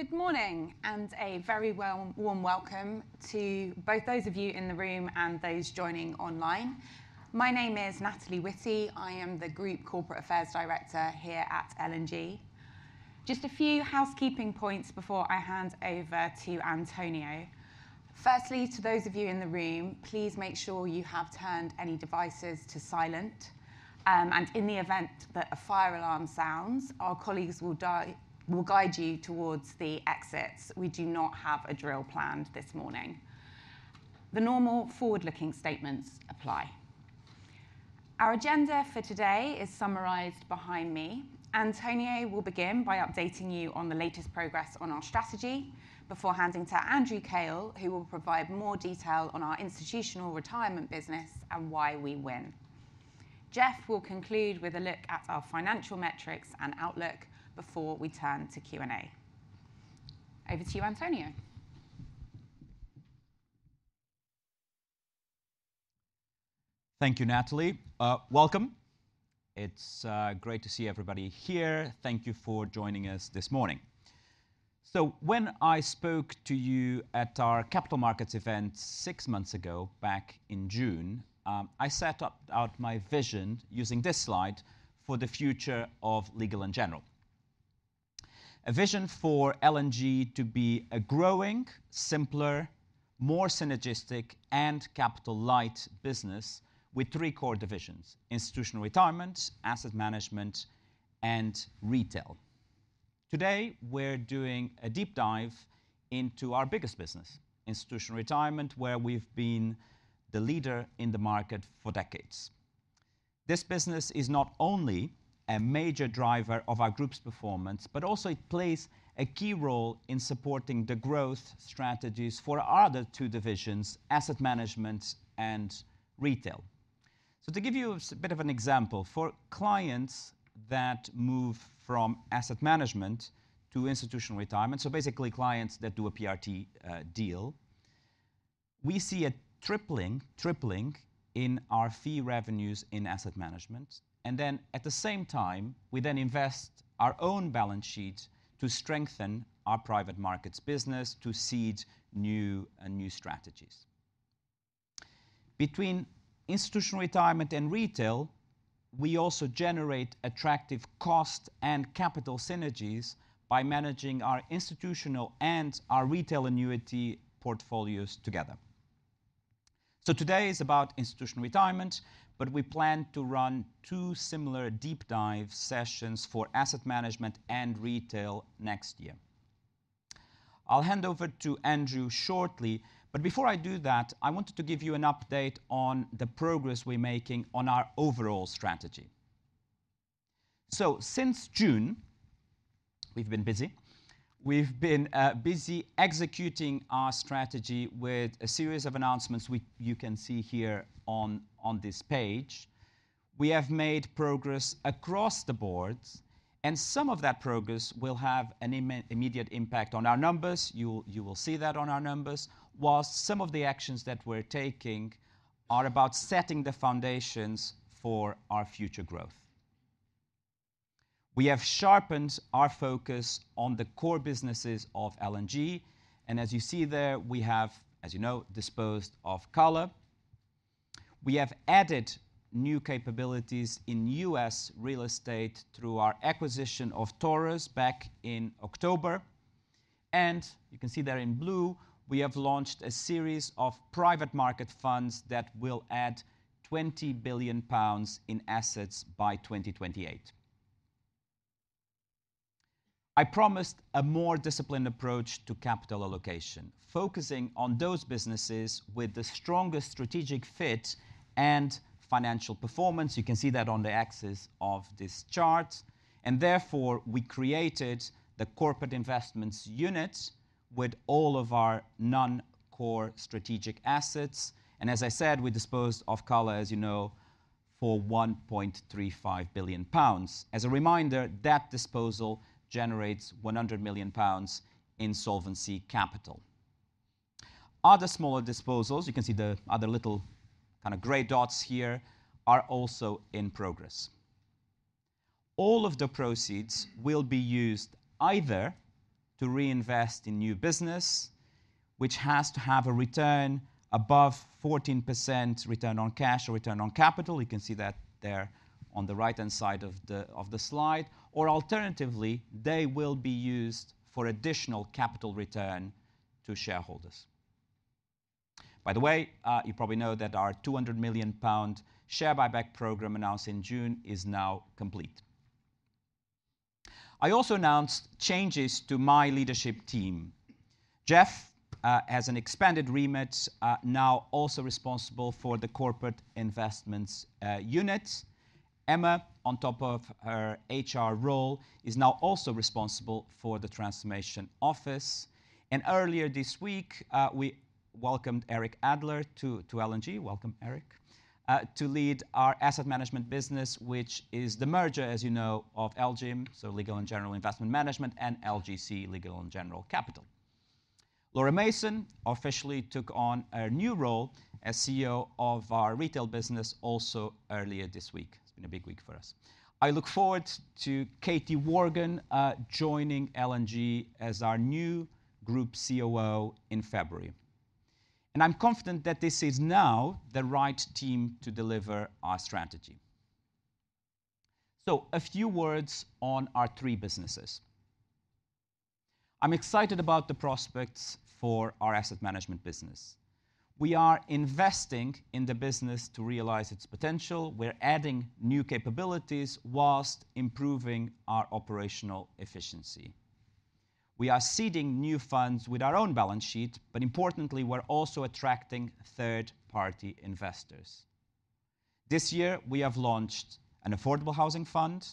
Good morning and a very warm welcome to both those of you in the room and those joining online. My name is Natalie Witty. I am the Group Corporate Affairs Director here at L&G. Just a few housekeeping points before I hand over to Antonio. Firstly, to those of you in the room, please make sure you have turned any devices to silent. And in the event that a fire alarm sounds, our colleagues will guide you towards the exits. We do not have a drill planned this morning. The normal forward-looking statements apply. Our agenda for today is summarized behind me. Antonio will begin by updating you on the latest progress on our strategy before handing to Andrew Kail, who will provide more detail on our institutional retirement business and why we win. Jeff will conclude with a look at our financial metrics and outlook before we turn to Q&A. Over to you, Antonio. Thank you, Natalie. Welcome. It's great to see everybody here. Thank you for joining us this morning. So when I spoke to you at our Capital Markets Event six months ago back in June, I set out my vision using this slide for the future of Legal & General. A vision for L&G to be a growing, simpler, more synergistic, and capital-light business with three core divisions: institutional retirement, asset management, and retail. Today, we're doing a deep dive into our biggest business, institutional retirement, where we've been the leader in the market for decades. This business is not only a major driver of our group's performance, but also it plays a key role in supporting the growth strategies for our other two divisions, asset management and retail. To give you a bit of an example, for clients that move from asset management to institutional retirement, so basically clients that do a PRT deal, we see a tripling in our fee revenues in asset management. And then at the same time, we then invest our own balance sheet to strengthen our private markets business to seed new strategies. Between institutional retirement and retail, we also generate attractive cost and capital synergies by managing our institutional and our retail annuity portfolios together. Today is about institutional retirement, but we plan to run two similar deep dive sessions for asset management and retail next year. I'll hand over to Andrew shortly, but before I do that, I wanted to give you an update on the progress we're making on our overall strategy. Since June, we've been busy. We've been busy executing our strategy with a series of announcements you can see here on this page. We have made progress across the boards, and some of that progress will have an immediate impact on our numbers. You will see that on our numbers, while some of the actions that we're taking are about setting the foundations for our future growth. We have sharpened our focus on the core businesses of L&G. And as you see there, we have, as you know, disposed of CALA. We have added new capabilities in U.S. real estate through our acquisition of Taurus back in October. And you can see there in blue, we have launched a series of private market funds that will add £20 billion in assets by 2028. I promised a more disciplined approach to capital allocation, focusing on those businesses with the strongest strategic fit and financial performance. You can see that on the axis of this chart. Therefore, we created the Corporate Investments Unit with all of our non-core strategic assets. As I said, we disposed of CALA, as you know, for 1.35 billion pounds. As a reminder, that disposal generates 100 million pounds in solvency capital. Other smaller disposals, you can see the other little kind of gray dots here, are also in progress. All of the proceeds will be used either to reinvest in new business, which has to have a return above 14% return on cash or return on capital. You can see that there on the right-hand side of the slide. Alternatively, they will be used for additional capital return to shareholders. By the way, you probably know that our 200 million pound share buyback program announced in June is now complete. I also announced changes to my leadership team. Jeff, as an expanded remit, is now also responsible for the Corporate Investments Unit. Emma, on top of her HR role, is now also responsible for the Transformation Office, and earlier this week, we welcomed Eric Adler to L&G. Welcome, Eric, to lead our asset management business, which is the merger, as you know, of LGIM, so Legal & General Investment Management, and LGC, Legal & General Capital. Laura Mason officially took on a new role as CEO of our retail business also earlier this week. It's been a big week for us. I look forward to Katie Worgan joining L&G as our new group COO in February, and I'm confident that this is now the right team to deliver our strategy, so a few words on our three businesses. I'm excited about the prospects for our asset management business. We are investing in the business to realize its potential. We're adding new capabilities while improving our operational efficiency. We are seeding new funds with our own balance sheet, but importantly, we're also attracting third-party investors. This year, we have launched an Affordable Housing Fund,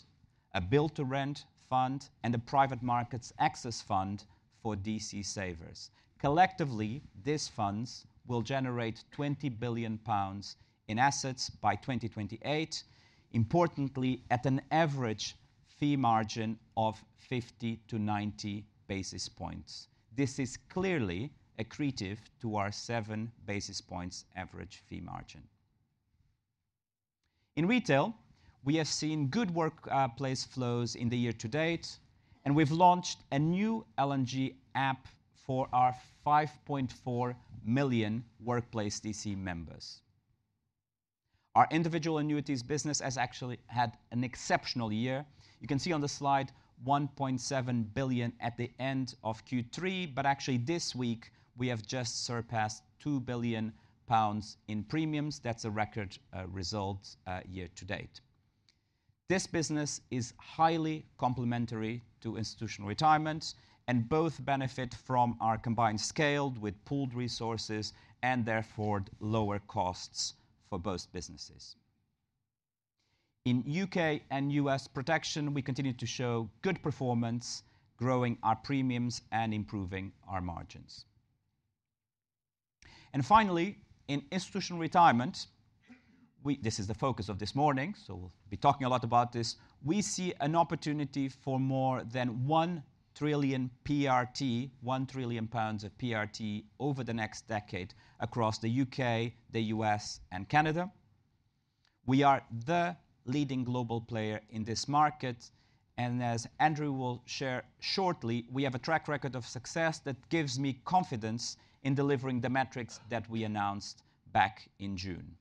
a Build-to-Rent Fund, and a Private Markets Access Fund for DC savers. Collectively, these funds will generate 20 billion pounds in assets by 2028, importantly, at an average fee margin of 50 to 90 basis points. This is clearly accretive to our seven basis points average fee margin. In retail, we have seen good workplace flows in the year to date, and we've launched a new L&G app for our 5.4 million workplace DC members. Our individual annuities business has actually had an exceptional year. You can see on the slide 1.7 billion at the end of Q3, but actually this week, we have just surpassed 2 billion pounds in premiums. That's a record result year to date. This business is highly complementary to institutional retirement, and both benefit from our combined scale with pooled resources and therefore lower costs for both businesses. In U.K. and U.S. protection, we continue to show good performance, growing our premiums and improving our margins. And finally, in institutional retirement, this is the focus of this morning, so we'll be talking a lot about this. We see an opportunity for more than 1 trillion PRT, 1 trillion pounds of PRT over the next decade across the U.K., the U.S., and Canada. We are the leading global player in this market. And as Andrew will share shortly, we have a track record of success that gives me confidence in delivering the metrics that we announced back in June.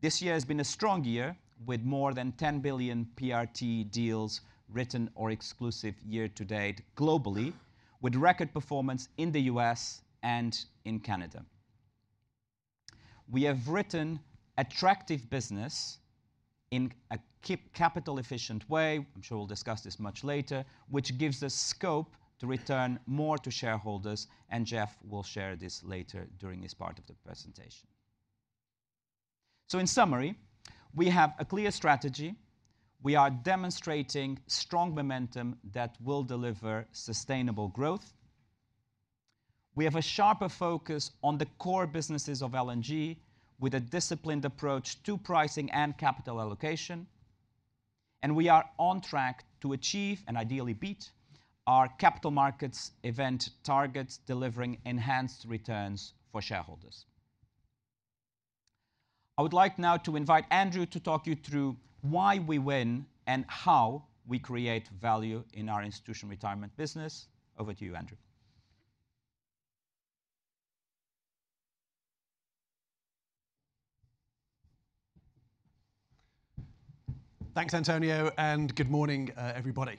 This year has been a strong year with more than 10 billion PRT deals written or exclusive year to date globally, with record performance in the U.S. and in Canada. We have written attractive business in a capital-efficient way. I'm sure we'll discuss this much later, which gives us scope to return more to shareholders. Jeff will share this later during this part of the presentation. In summary, we have a clear strategy. We are demonstrating strong momentum that will deliver sustainable growth. We have a sharper focus on the core businesses of L&G with a disciplined approach to pricing and capital allocation. We are on track to achieve and ideally beat our capital markets event targets, delivering enhanced returns for shareholders. I would like now to invite Andrew to talk you through why we win and how we create value in our institutional retirement business. Over to you, Andrew. Thanks, Antonio, and good morning, everybody.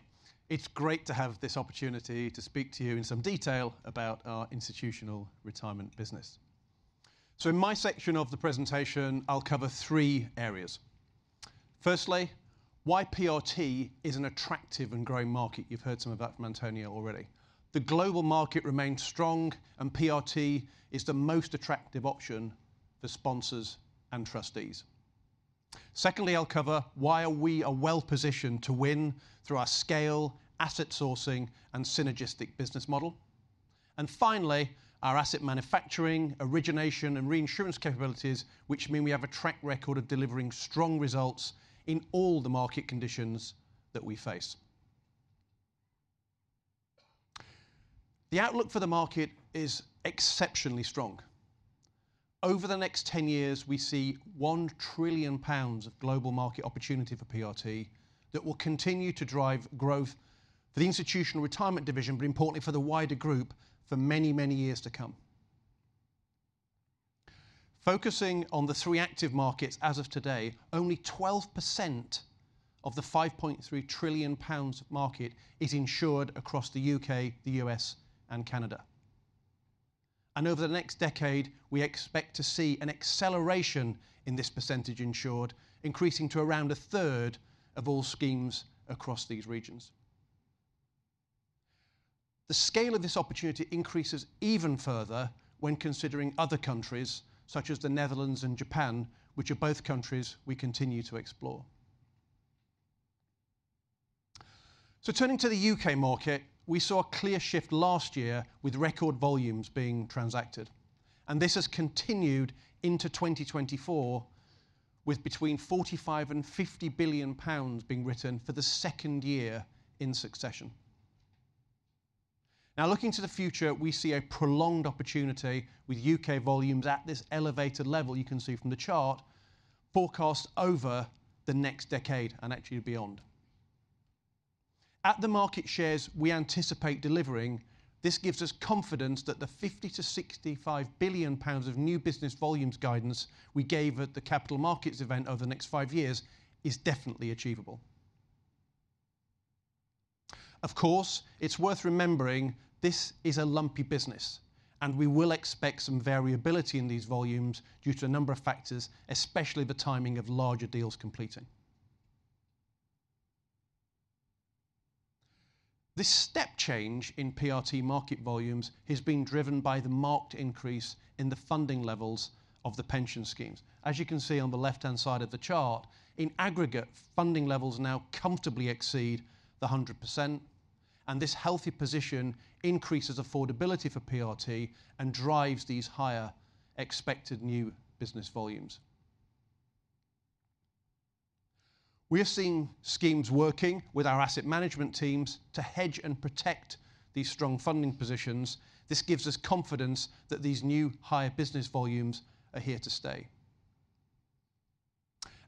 It's great to have this opportunity to speak to you in some detail about our institutional retirement business. So in my section of the presentation, I'll cover three areas. Firstly, why PRT is an attractive and growing market. You've heard some of that from Antonio already. The global market remains strong, and PRT is the most attractive option for sponsors and trustees. Secondly, I'll cover why we are well positioned to win through our scale, asset sourcing, and synergistic business model. And finally, our asset manufacturing, origination, and reinsurance capabilities, which mean we have a track record of delivering strong results in all the market conditions that we face. The outlook for the market is exceptionally strong. Over the next 10 years, we see £1 trillion of global market opportunity for PRT that will continue to drive growth for the institutional retirement division, but importantly, for the wider group for many, many years to come. Focusing on the three active markets as of today, only 12% of the £5.3 trillion market is insured across the U.K., the U.S., and Canada, and over the next decade, we expect to see an acceleration in this percentage insured, increasing to around a third of all schemes across these regions. The scale of this opportunity increases even further when considering other countries such as the Netherlands and Japan, which are both countries we continue to explore, so turning to the U.K. market, we saw a clear shift last year with record volumes being transacted. And this has continued into 2024, with between 45 billion and 50 billion pounds being written for the second year in succession. Now, looking to the future, we see a prolonged opportunity with U.K. volumes at this elevated level you can see from the chart forecast over the next decade and actually beyond. At the market shares, we anticipate delivering. This gives us confidence that the 50-65 billion pounds of new business volumes guidance we gave at the capital markets event over the next five years is definitely achievable. Of course, it's worth remembering this is a lumpy business, and we will expect some variability in these volumes due to a number of factors, especially the timing of larger deals completing. This step change in PRT market volumes has been driven by the marked increase in the funding levels of the pension schemes. As you can see on the left-hand side of the chart, in aggregate, funding levels now comfortably exceed 100%, and this healthy position increases affordability for PRT and drives these higher expected new business volumes. We are seeing schemes working with our asset management teams to hedge and protect these strong funding positions. This gives us confidence that these new higher business volumes are here to stay,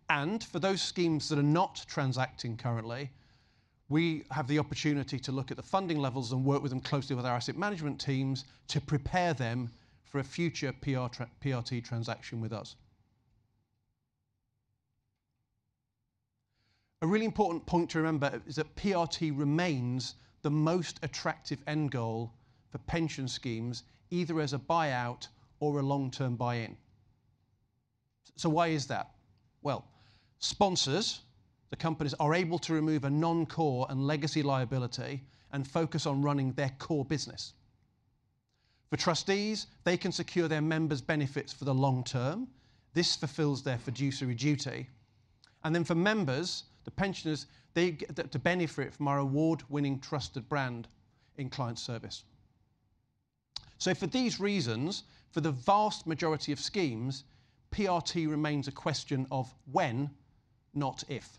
and for those schemes that are not transacting currently, we have the opportunity to look at the funding levels and work with them closely with our asset management teams to prepare them for a future PRT transaction with us. A really important point to remember is that PRT remains the most attractive end goal for pension schemes, either as a buyout or a long-term buy-in, so why is that? Sponsors, the companies are able to remove a non-core and legacy liability and focus on running their core business. For trustees, they can secure their members' benefits for the long term. This fulfills their fiduciary duty. For members, the pensioners, they get to benefit from our award-winning trusted brand in client service. For these reasons, for the vast majority of schemes, PRT remains a question of when, not if.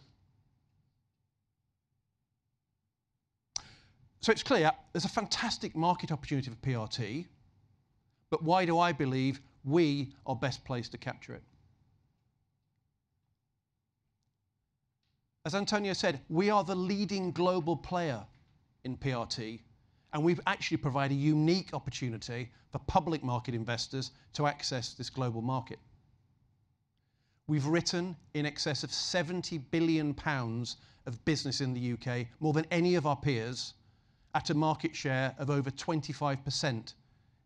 It's clear there's a fantastic market opportunity for PRT, but why do I believe we are best placed to capture it? As António said, we are the leading global player in PRT, and we've actually provided a unique opportunity for public market investors to access this global market. We've written in excess of 70 billion pounds of business in the U.K., more than any of our peers, at a market share of over 25%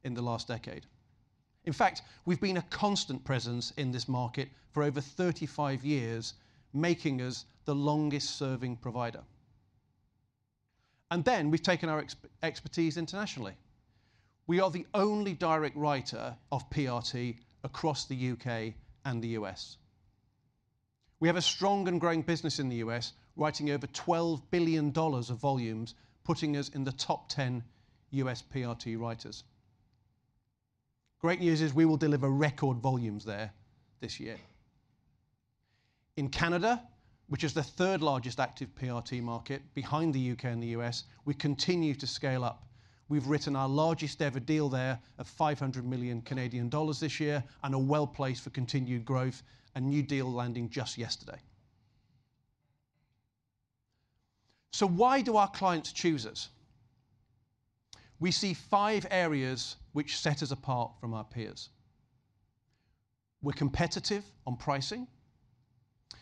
in the last decade. In fact, we've been a constant presence in this market for over 35 years, making us the longest-serving provider. And then we've taken our expertise internationally. We are the only direct writer of PRT across the U.K. and the U.S. We have a strong and growing business in the U.S., writing over $12 billion of volumes, putting us in the top 10 U.S. PRT writers. Great news is we will deliver record volumes there this year. In Canada, which is the third largest active PRT market behind the U.K. and the U.S., we continue to scale up. We've written our largest ever deal there of 500 million Canadian dollars this year and are well placed for continued growth, a new deal landing just yesterday. So why do our clients choose us? We see five areas which set us apart from our peers. We're competitive on pricing.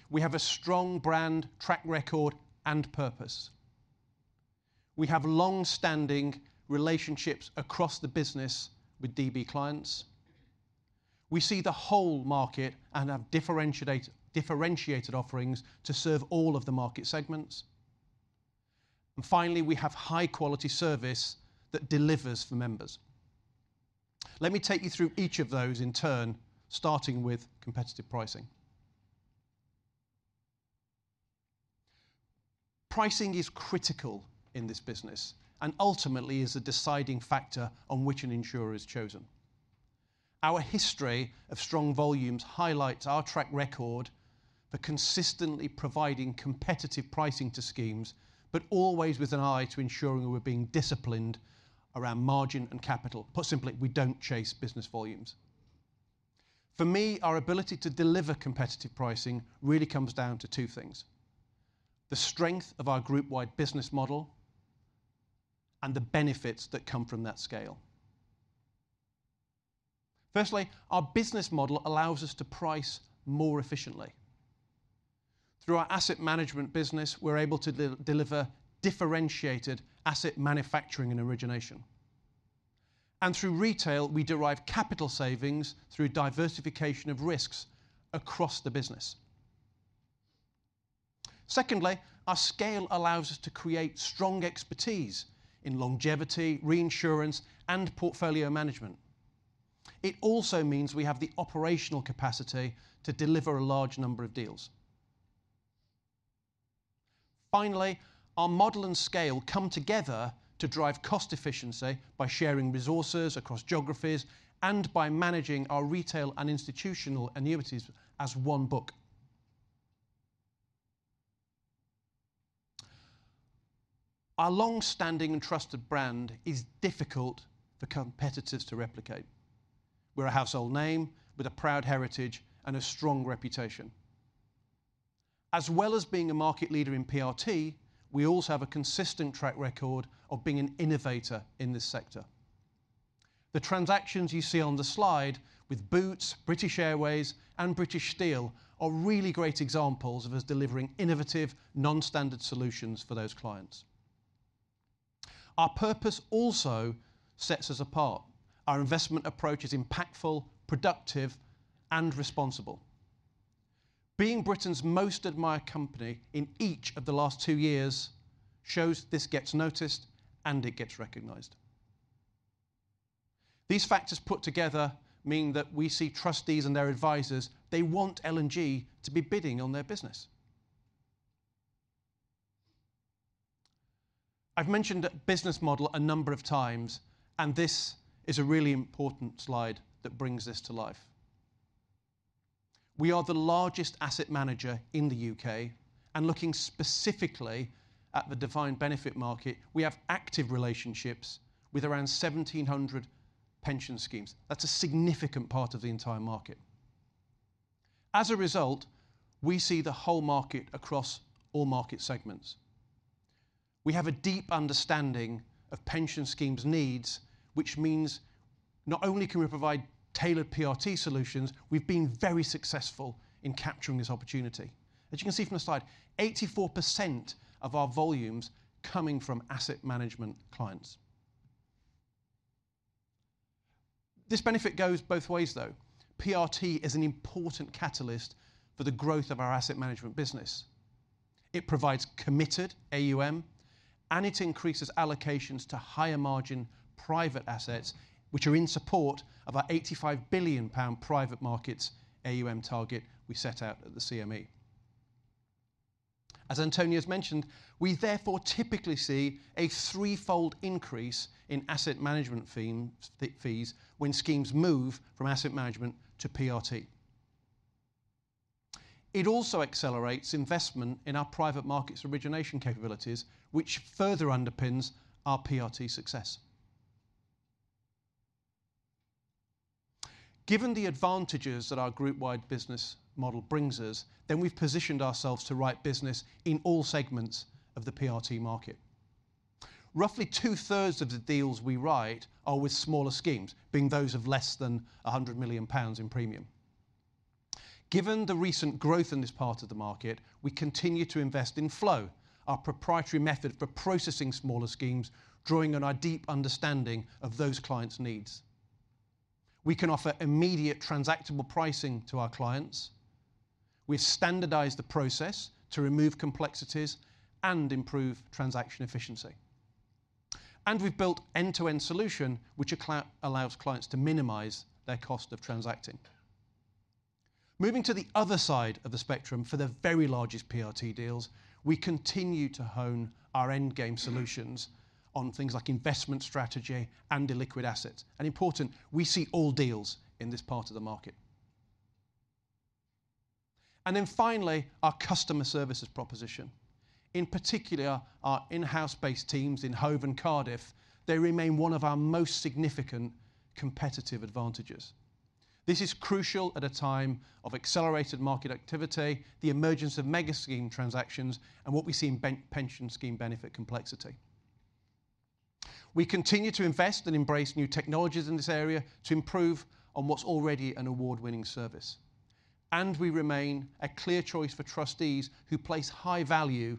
We have a strong brand track record and purpose. We have long-standing relationships across the business with DB clients. We see the whole market and have differentiated offerings to serve all of the market segments. And finally, we have high-quality service that delivers for members. Let me take you through each of those in turn, starting with competitive pricing. Pricing is critical in this business and ultimately is a deciding factor on which an insurer is chosen. Our history of strong volumes highlights our track record for consistently providing competitive pricing to schemes, but always with an eye to ensuring we're being disciplined around margin and capital. Put simply, we don't chase business volumes. For me, our ability to deliver competitive pricing really comes down to two things: the strength of our group-wide business model and the benefits that come from that scale. Firstly, our business model allows us to price more efficiently. Through our asset management business, we're able to deliver differentiated asset manufacturing and origination. And through retail, we derive capital savings through diversification of risks across the business. Secondly, our scale allows us to create strong expertise in longevity, reinsurance, and portfolio management. It also means we have the operational capacity to deliver a large number of deals. Finally, our model and scale come together to drive cost efficiency by sharing resources across geographies and by managing our retail and institutional annuities as one book. Our long-standing and trusted brand is difficult for competitors to replicate. We're a household name with a proud heritage and a strong reputation. As well as being a market leader in PRT, we also have a consistent track record of being an innovator in this sector. The transactions you see on the slide with Boots, British Airways, and British Steel are really great examples of us delivering innovative, non-standard solutions for those clients. Our purpose also sets us apart. Our investment approach is impactful, productive, and responsible. Being Britain's most admired company in each of the last two years shows this gets noticed and it gets recognized. These factors put together mean that we see trustees and their advisors. They want L&G to be bidding on their business. I've mentioned business model a number of times, and this is a really important slide that brings this to life. We are the largest asset manager in the U.K., and looking specifically at the defined benefit market, we have active relationships with around 1,700 pension schemes. That's a significant part of the entire market. As a result, we see the whole market across all market segments. We have a deep understanding of pension schemes' needs, which means not only can we provide tailored PRT solutions, we've been very successful in capturing this opportunity. As you can see from the slide, 84% of our volumes are coming from asset management clients. This benefit goes both ways, though. PRT is an important catalyst for the growth of our asset management business. It provides committed AUM, and it increases allocations to higher margin private assets, which are in support of our 85 billion pound private markets AUM target we set out at the CME. As António has mentioned, we therefore typically see a threefold increase in asset management fees when schemes move from asset management to PRT. It also accelerates investment in our private markets origination capabilities, which further underpins our PRT success. Given the advantages that our group-wide business model brings us, then we've positioned ourselves to write business in all segments of the PRT market. Roughly two-thirds of the deals we write are with smaller schemes, being those of less than 100 million pounds in premium. Given the recent growth in this part of the market, we continue to invest in Flow, our proprietary method for processing smaller schemes, drawing on our deep understanding of those clients' needs. We can offer immediate transactable pricing to our clients. We've standardized the process to remove complexities and improve transaction efficiency, and we've built end-to-end solution, which allows clients to minimize their cost of transacting. Moving to the other side of the spectrum for the very largest PRT deals, we continue to hone our end-game solutions on things like investment strategy and illiquid assets. Importantly, we see all deals in this part of the market. Then finally, our customer services proposition. In particular, our in-house-based teams in Hove and Cardiff, they remain one of our most significant competitive advantages. This is crucial at a time of accelerated market activity, the emergence of mega scheme transactions, and what we see in pension scheme benefit complexity. We continue to invest and embrace new technologies in this area to improve on what's already an award-winning service. We remain a clear choice for trustees who place high value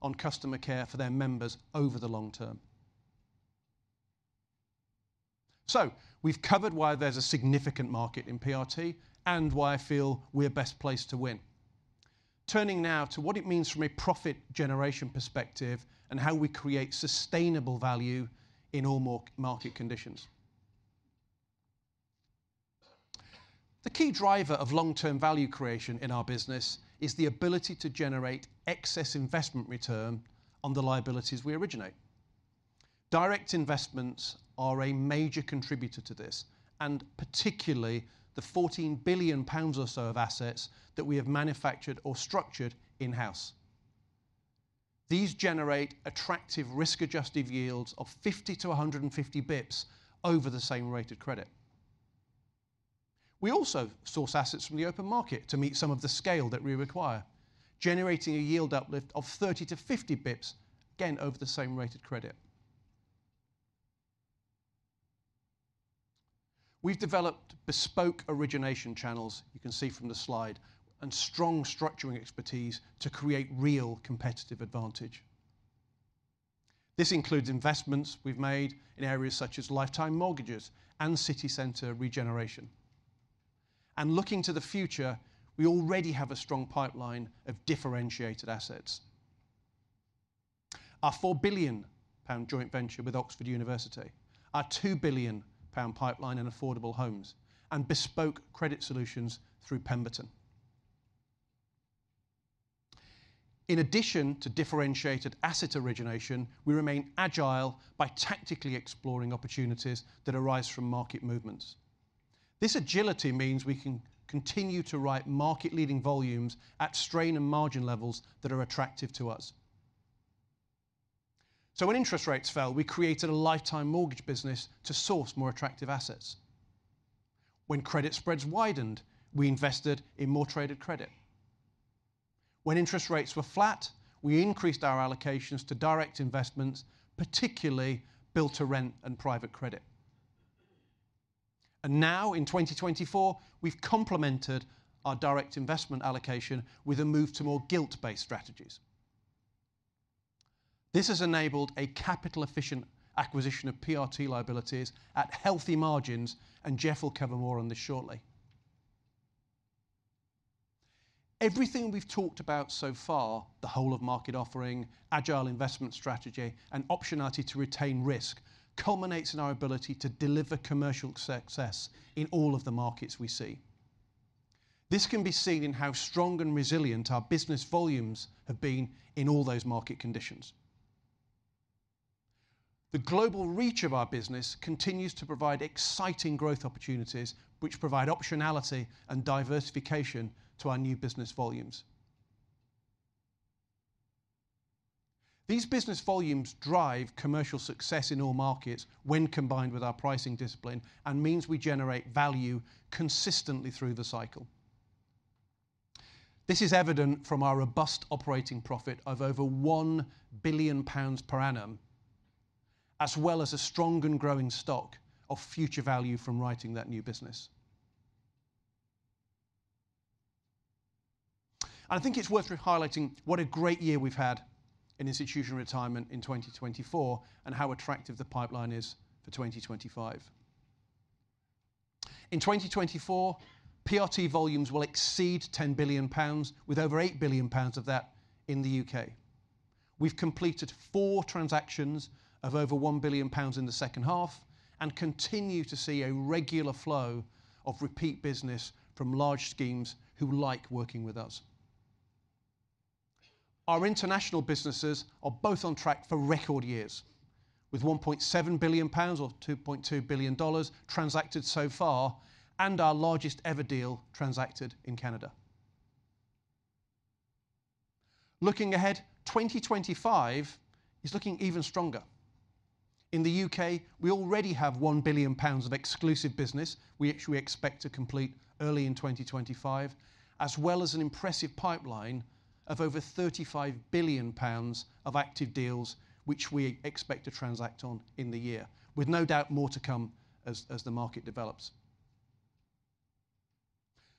on customer care for their members over the long term. So we've covered why there's a significant market in PRT and why I feel we're best placed to win. Turning now to what it means from a profit generation perspective and how we create sustainable value in all market conditions. The key driver of long-term value creation in our business is the ability to generate excess investment return on the liabilities we originate. Direct investments are a major contributor to this, and particularly the £14 billion or so of assets that we have manufactured or structured in-house. These generate attractive risk-adjusted yields of 50-150 basis points over the same rated credit. We also source assets from the open market to meet some of the scale that we require, generating a yield uplift of 30-50 basis points, again, over the same rated credit. We've developed bespoke origination channels, you can see from the slide, and strong structuring expertise to create real competitive advantage. This includes investments we've made in areas such as lifetime mortgages and city center regeneration. Looking to the future, we already have a strong pipeline of differentiated assets. Our 4 billion pound joint venture with Oxford University, our 2 billion pound pipeline in affordable homes, and bespoke credit solutions through Pemberton. In addition to differentiated asset origination, we remain agile by tactically exploring opportunities that arise from market movements. This agility means we can continue to write market-leading volumes at strain and margin levels that are attractive to us. So when interest rates fell, we created a lifetime mortgage business to source more attractive assets. When credit spreads widened, we invested in more traded credit. When interest rates were flat, we increased our allocations to direct investments, particularly built-to-rent and private credit. And now, in 2024, we've complemented our direct investment allocation with a move to more gilt-based strategies. This has enabled a capital-efficient acquisition of PRT liabilities at healthy margins, and Jeff will cover more on this shortly. Everything we've talked about so far, the whole-of-market offering, agile investment strategy, and optionality to retain risk, culminates in our ability to deliver commercial success in all of the markets we see. This can be seen in how strong and resilient our business volumes have been in all those market conditions. The global reach of our business continues to provide exciting growth opportunities, which provide optionality and diversification to our new business volumes. These business volumes drive commercial success in all markets when combined with our pricing discipline and means we generate value consistently through the cycle. This is evident from our robust operating profit of over £1 billion per annum, as well as a strong and growing stock of future value from writing that new business. And I think it's worth highlighting what a great year we've had in institutional retirement in 2024 and how attractive the pipeline is for 2025. In 2024, PRT volumes will exceed £10 billion, with over £8 billion of that in the U.K. We've completed four transactions of over £1 billion in the second half and continue to see a regular flow of repeat business from large schemes who like working with us. Our international businesses are both on track for record years, with 1.7 billion pounds or $2.2 billion transacted so far and our largest-ever deal transacted in Canada. Looking ahead, 2025 is looking even stronger. In the UK, we already have 1 billion pounds of exclusive business, which we expect to complete early in 2025, as well as an impressive pipeline of over 35 billion pounds of active deals, which we expect to transact on in the year, with no doubt more to come as the market develops.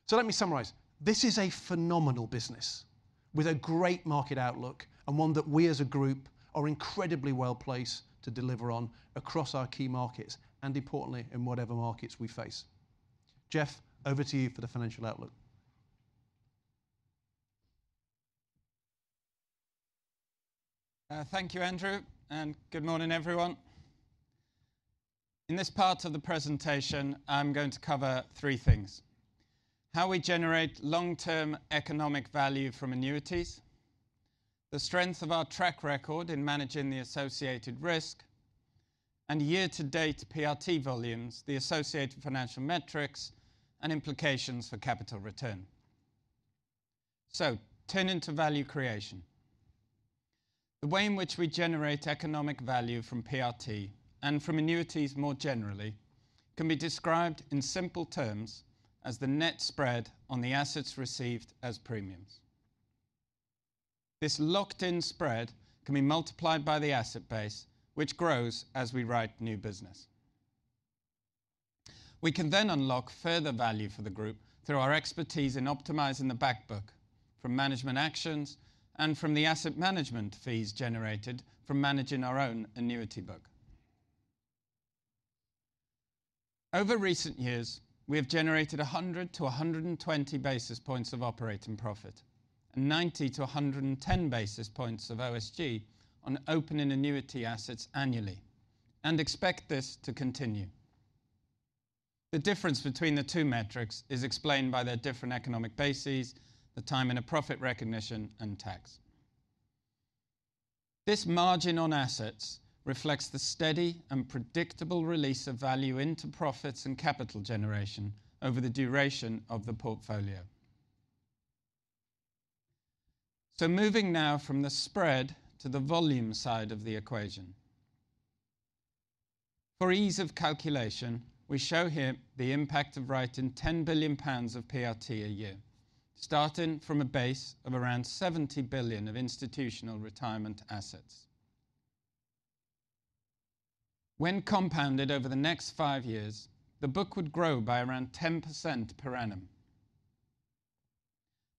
So let me summarize. This is a phenomenal business with a great market outlook and one that we, as a group, are incredibly well placed to deliver on across our key markets and, importantly, in whatever markets we face. Jeff, over to you for the financial outlook. Thank you, Andrew, and good morning, everyone. In this part of the presentation, I'm going to cover three things: how we generate long-term economic value from annuities, the strength of our track record in managing the associated risk, and year-to-date PRT volumes, the associated financial metrics and implications for capital return, so turning to value creation, the way in which we generate economic value from PRT and from annuities more generally can be described in simple terms as the net spread on the assets received as premiums. This locked-in spread can be multiplied by the asset base, which grows as we write new business. We can then unlock further value for the group through our expertise in optimizing the backbook from management actions and from the asset management fees generated from managing our own annuity book. Over recent years, we have generated 100-120 basis points of operating profit and 90-110 basis points of OSG on opening annuity assets annually, and expect this to continue. The difference between the two metrics is explained by their different economic bases, the time in a profit recognition, and tax. This margin on assets reflects the steady and predictable release of value into profits and capital generation over the duration of the portfolio. So moving now from the spread to the volume side of the equation. For ease of calculation, we show here the impact of writing 10 billion pounds of PRT a year, starting from a base of around 70 billion of institutional retirement assets. When compounded over the next five years, the book would grow by around 10% per annum.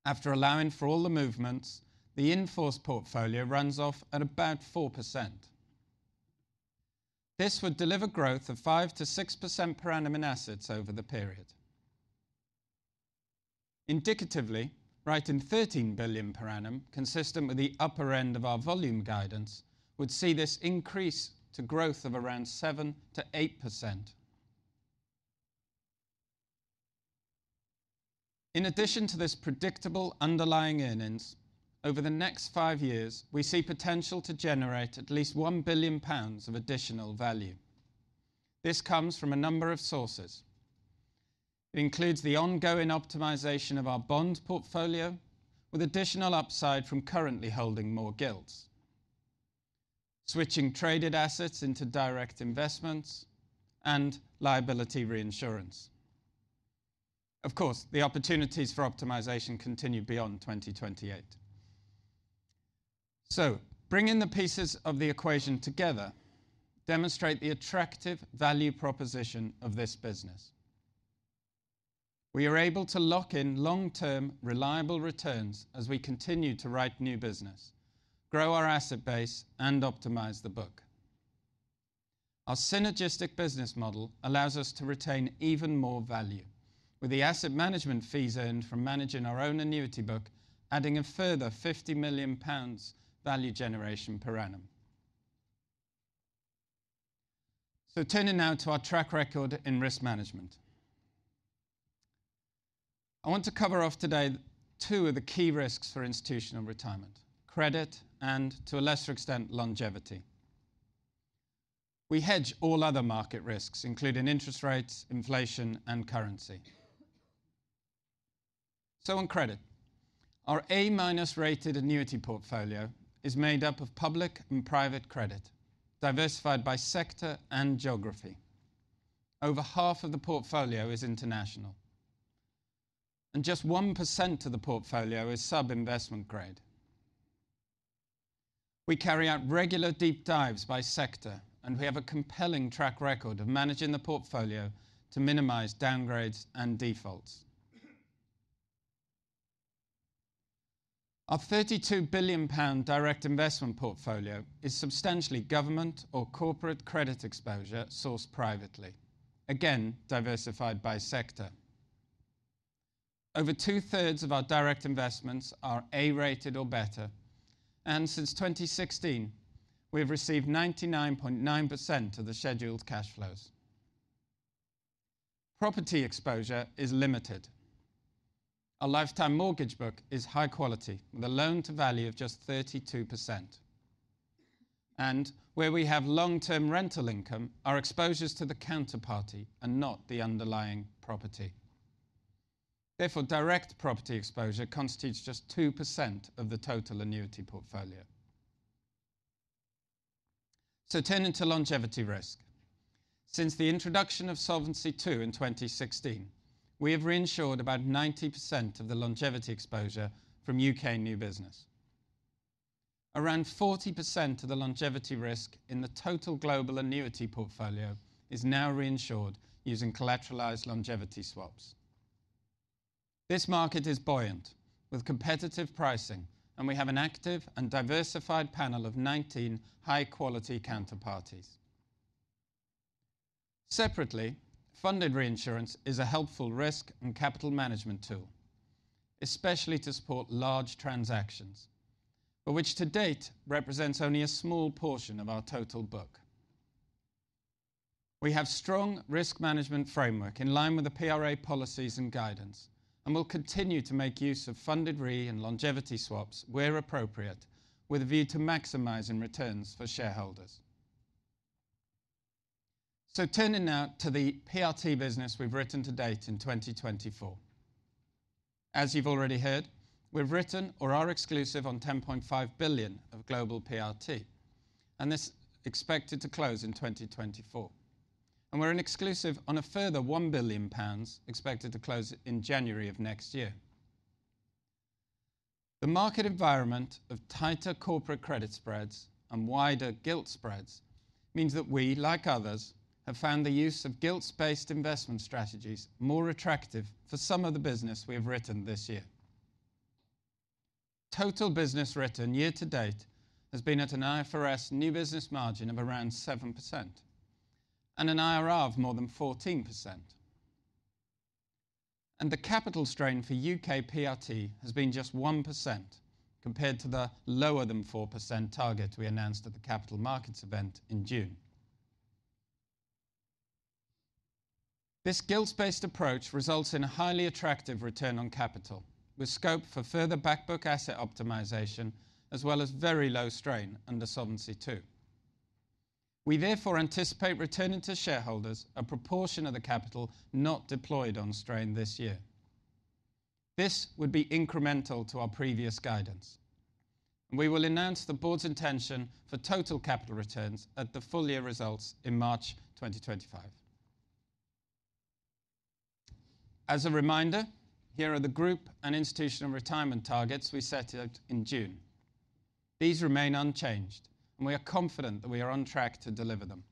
After allowing for all the movements, the in-force portfolio runs off at about 4%. This would deliver growth of 5% to 6% per annum in assets over the period. Indicatively, writing 13 billion per annum, consistent with the upper end of our volume guidance, would see this increase to growth of around 7% to 8%. In addition to this predictable underlying earnings, over the next five years, we see potential to generate at least 1 billion pounds of additional value. This comes from a number of sources. It includes the ongoing optimization of our bond portfolio, with additional upside from currently holding more gilts, switching traded assets into direct investments, and liability reinsurance. Of course, the opportunities for optimization continue beyond 2028. So bringing the pieces of the equation together demonstrates the attractive value proposition of this business. We are able to lock in long-term reliable returns as we continue to write new business, grow our asset base, and optimize the book. Our synergistic business model allows us to retain even more value, with the asset management fees earned from managing our own annuity book adding a further 50 million pounds value generation per annum. So turning now to our track record in risk management. I want to cover off today two of the key risks for institutional retirement: credit and, to a lesser extent, longevity. We hedge all other market risks, including interest rates, inflation, and currency. So on credit, our A-rated annuity portfolio is made up of public and private credit, diversified by sector and geography. Over half of the portfolio is international, and just 1% of the portfolio is sub-investment grade. We carry out regular deep dives by sector, and we have a compelling track record of managing the portfolio to minimize downgrades and defaults. Our 32 billion pound direct investment portfolio is substantially government or corporate credit exposure sourced privately, again, diversified by sector. Over two-thirds of our direct investments are A-rated or better, and since 2016, we have received 99.9% of the scheduled cash flows. Property exposure is limited. Our lifetime mortgage book is high quality, with a loan-to-value of just 32%. And where we have long-term rental income, our exposure is to the counterparty and not the underlying property. Therefore, direct property exposure constitutes just 2% of the total annuity portfolio. So turning to longevity risk. Since the introduction of Solvency II in 2016, we have reinsured about 90% of the longevity exposure from U.K. new business. Around 40% of the longevity risk in the total global annuity portfolio is now reinsured using collateralized longevity swaps. This market is buoyant, with competitive pricing, and we have an active and diversified panel of 19 high-quality counterparties. Separately, Funded Reinsurance is a helpful risk and capital management tool, especially to support large transactions, but which to date represents only a small portion of our total book. We have a strong risk management framework in line with the PRA policies and guidance, and we'll continue to make use of Funded Re and longevity swaps where appropriate, with a view to maximizing returns for shareholders. So turning now to the PRT business we've written to date in 2024. As you've already heard, we've written or are exclusive on 10.5 billion of global PRT, and this is expected to close in 2024. And we're exclusive on a further 1 billion pounds, expected to close in January of next year. The market environment of tighter corporate credit spreads and wider gilt spreads means that we, like others, have found the use of gilt-based investment strategies more attractive for some of the business we have written this year. Total business written year-to-date has been at an IFRS new business margin of around 7% and an IRR of more than 14%. The capital strain for UK PRT has been just 1% compared to the lower-than-4% target we announced at the capital markets event in June. This gilt-based approach results in a highly attractive return on capital, with scope for further backbook asset optimization, as well as very low strain under Solvency II. We therefore anticipate returning to shareholders a proportion of the capital not deployed on strain this year. This would be incremental to our previous guidance, and we will announce the board's intention for total capital returns at the full year results in March 2025. As a reminder, here are the group and institutional retirement targets we set out in June. These remain unchanged, and we are confident that we are on track to deliver them.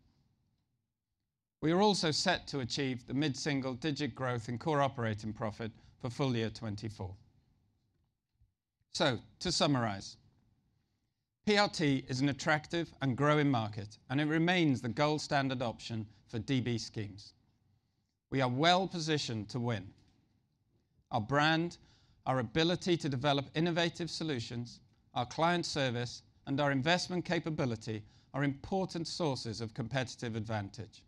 We are also set to achieve the mid-single digit growth in core operating profit for full year 2024, so, to summarize, PRT is an attractive and growing market, and it remains the gold standard option for DB schemes. We are well positioned to win. Our brand, our ability to develop innovative solutions, our client service, and our investment capability are important sources of competitive advantage,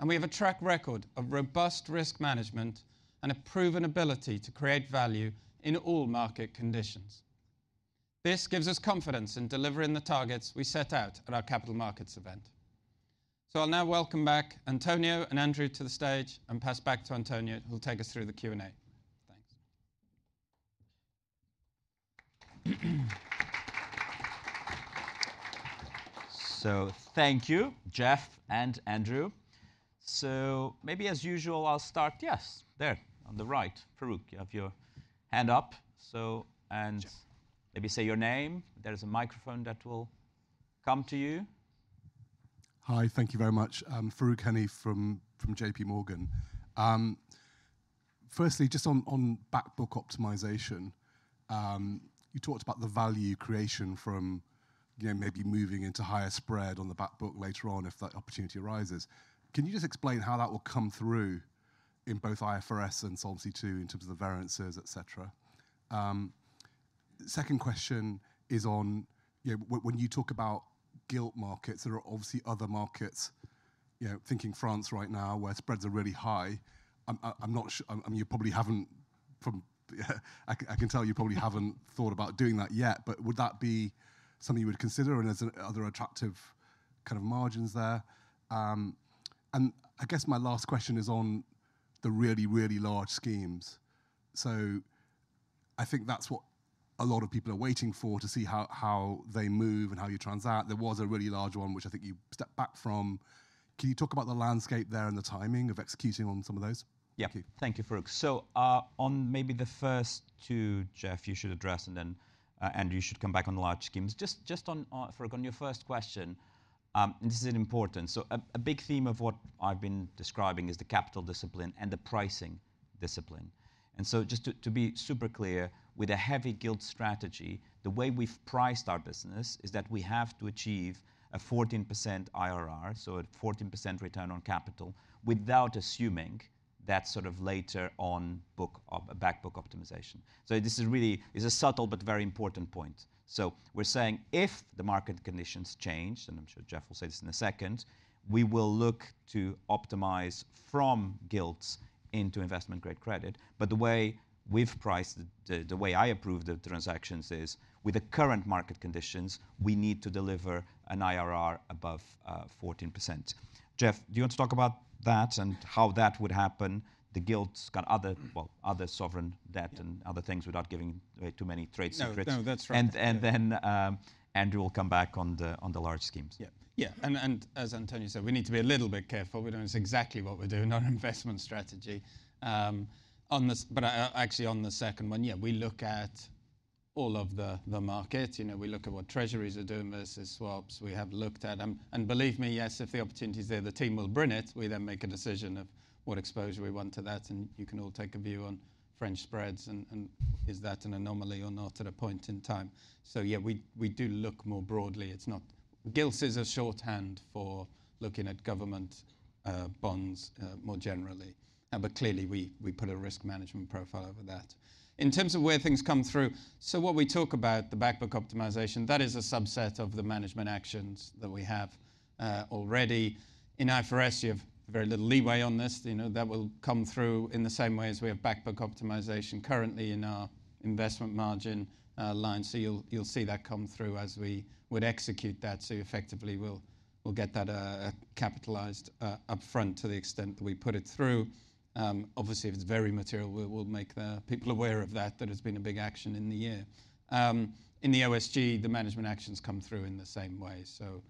and we have a track record of robust risk management and a proven ability to create value in all market conditions. This gives us confidence in delivering the targets we set out at our capital markets event. So I'll now welcome back António and Andrew to the stage and pass back to António, who'll take us through the Q&A. Thanks. So thank you, Jeff and Andrew. So maybe, as usual, I'll start. Yes, there, on the right, Farooq, you have your hand up. So and maybe say your name. There's a microphone that will come to you. Hi, thank you very much. Farooq Hanif from J.P. Morgan. Firstly, just on backbook optimization, you talked about the value creation from maybe moving into higher spread on the backbook later on if that opportunity arises. Can you just explain how that will come through in both IFRS and Solvency II in terms of the variances, etc.? Second question is on when you talk about gilt markets, there are obviously other markets, thinking France right now, where spreads are really high. I'm not sure, you probably haven't, from what I can tell, thought about doing that yet, but would that be something you would consider and other attractive kind of margins there? And I guess my last question is on the really, really large schemes. So I think that's what a lot of people are waiting for, to see how they move and how you transact. There was a really large one, which I think you stepped back from. Can you talk about the landscape there and the timing of executing on some of those? Yeah, thank you, Farooq. So on maybe the first two, Jeff, you should address, and then Andrew, you should come back on large schemes. Just on Farooq, on your first question, and this is important. So a big theme of what I've been describing is the capital discipline and the pricing discipline. And so just to be super clear, with a heavy gilt strategy, the way we've priced our business is that we have to achieve a 14% IRR, so a 14% return on capital, without assuming that sort of later on backbook optimization. So this is really, it's a subtle but very important point. So we're saying if the market conditions change, and I'm sure Jeff will say this in a second, we will look to optimize from gilt into investment-grade credit. But the way we've priced, the way I approve the transactions is with the current market conditions, we need to deliver an IRR above 14%. Jeff, do you want to talk about that and how that would happen, the gilts, other sovereign debt, and other things without giving too many trade secrets? No, that's right. And then Andrew will come back on the large schemes. Yeah, and as Antonio said, we need to be a little bit careful. We don't know exactly what we're doing on investment strategy. But actually, on the second one, yeah, we look at all of the markets. We look at what treasuries are doing versus swaps. We have looked at them. And believe me, yes, if the opportunity is there, the team will bring it. We then make a decision of what exposure we want to that, and you can all take a view on French spreads and is that an anomaly or not at a point in time. So yeah, we do look more broadly. Gilts is a shorthand for looking at government bonds more generally. But clearly, we put a risk management profile over that. In terms of where things come through, so what we talk about, the backbook optimization, that is a subset of the management actions that we have already. In IFRS, you have very little leeway on this. That will come through in the same way as we have backbook optimization currently in our investment margin line. So you'll see that come through as we would execute that. So effectively, we'll get that capitalized upfront to the extent that we put it through. Obviously, if it's very material, we'll make the people aware of that, that it's been a big action in the year. In the OSG, the management actions come through in the same way. So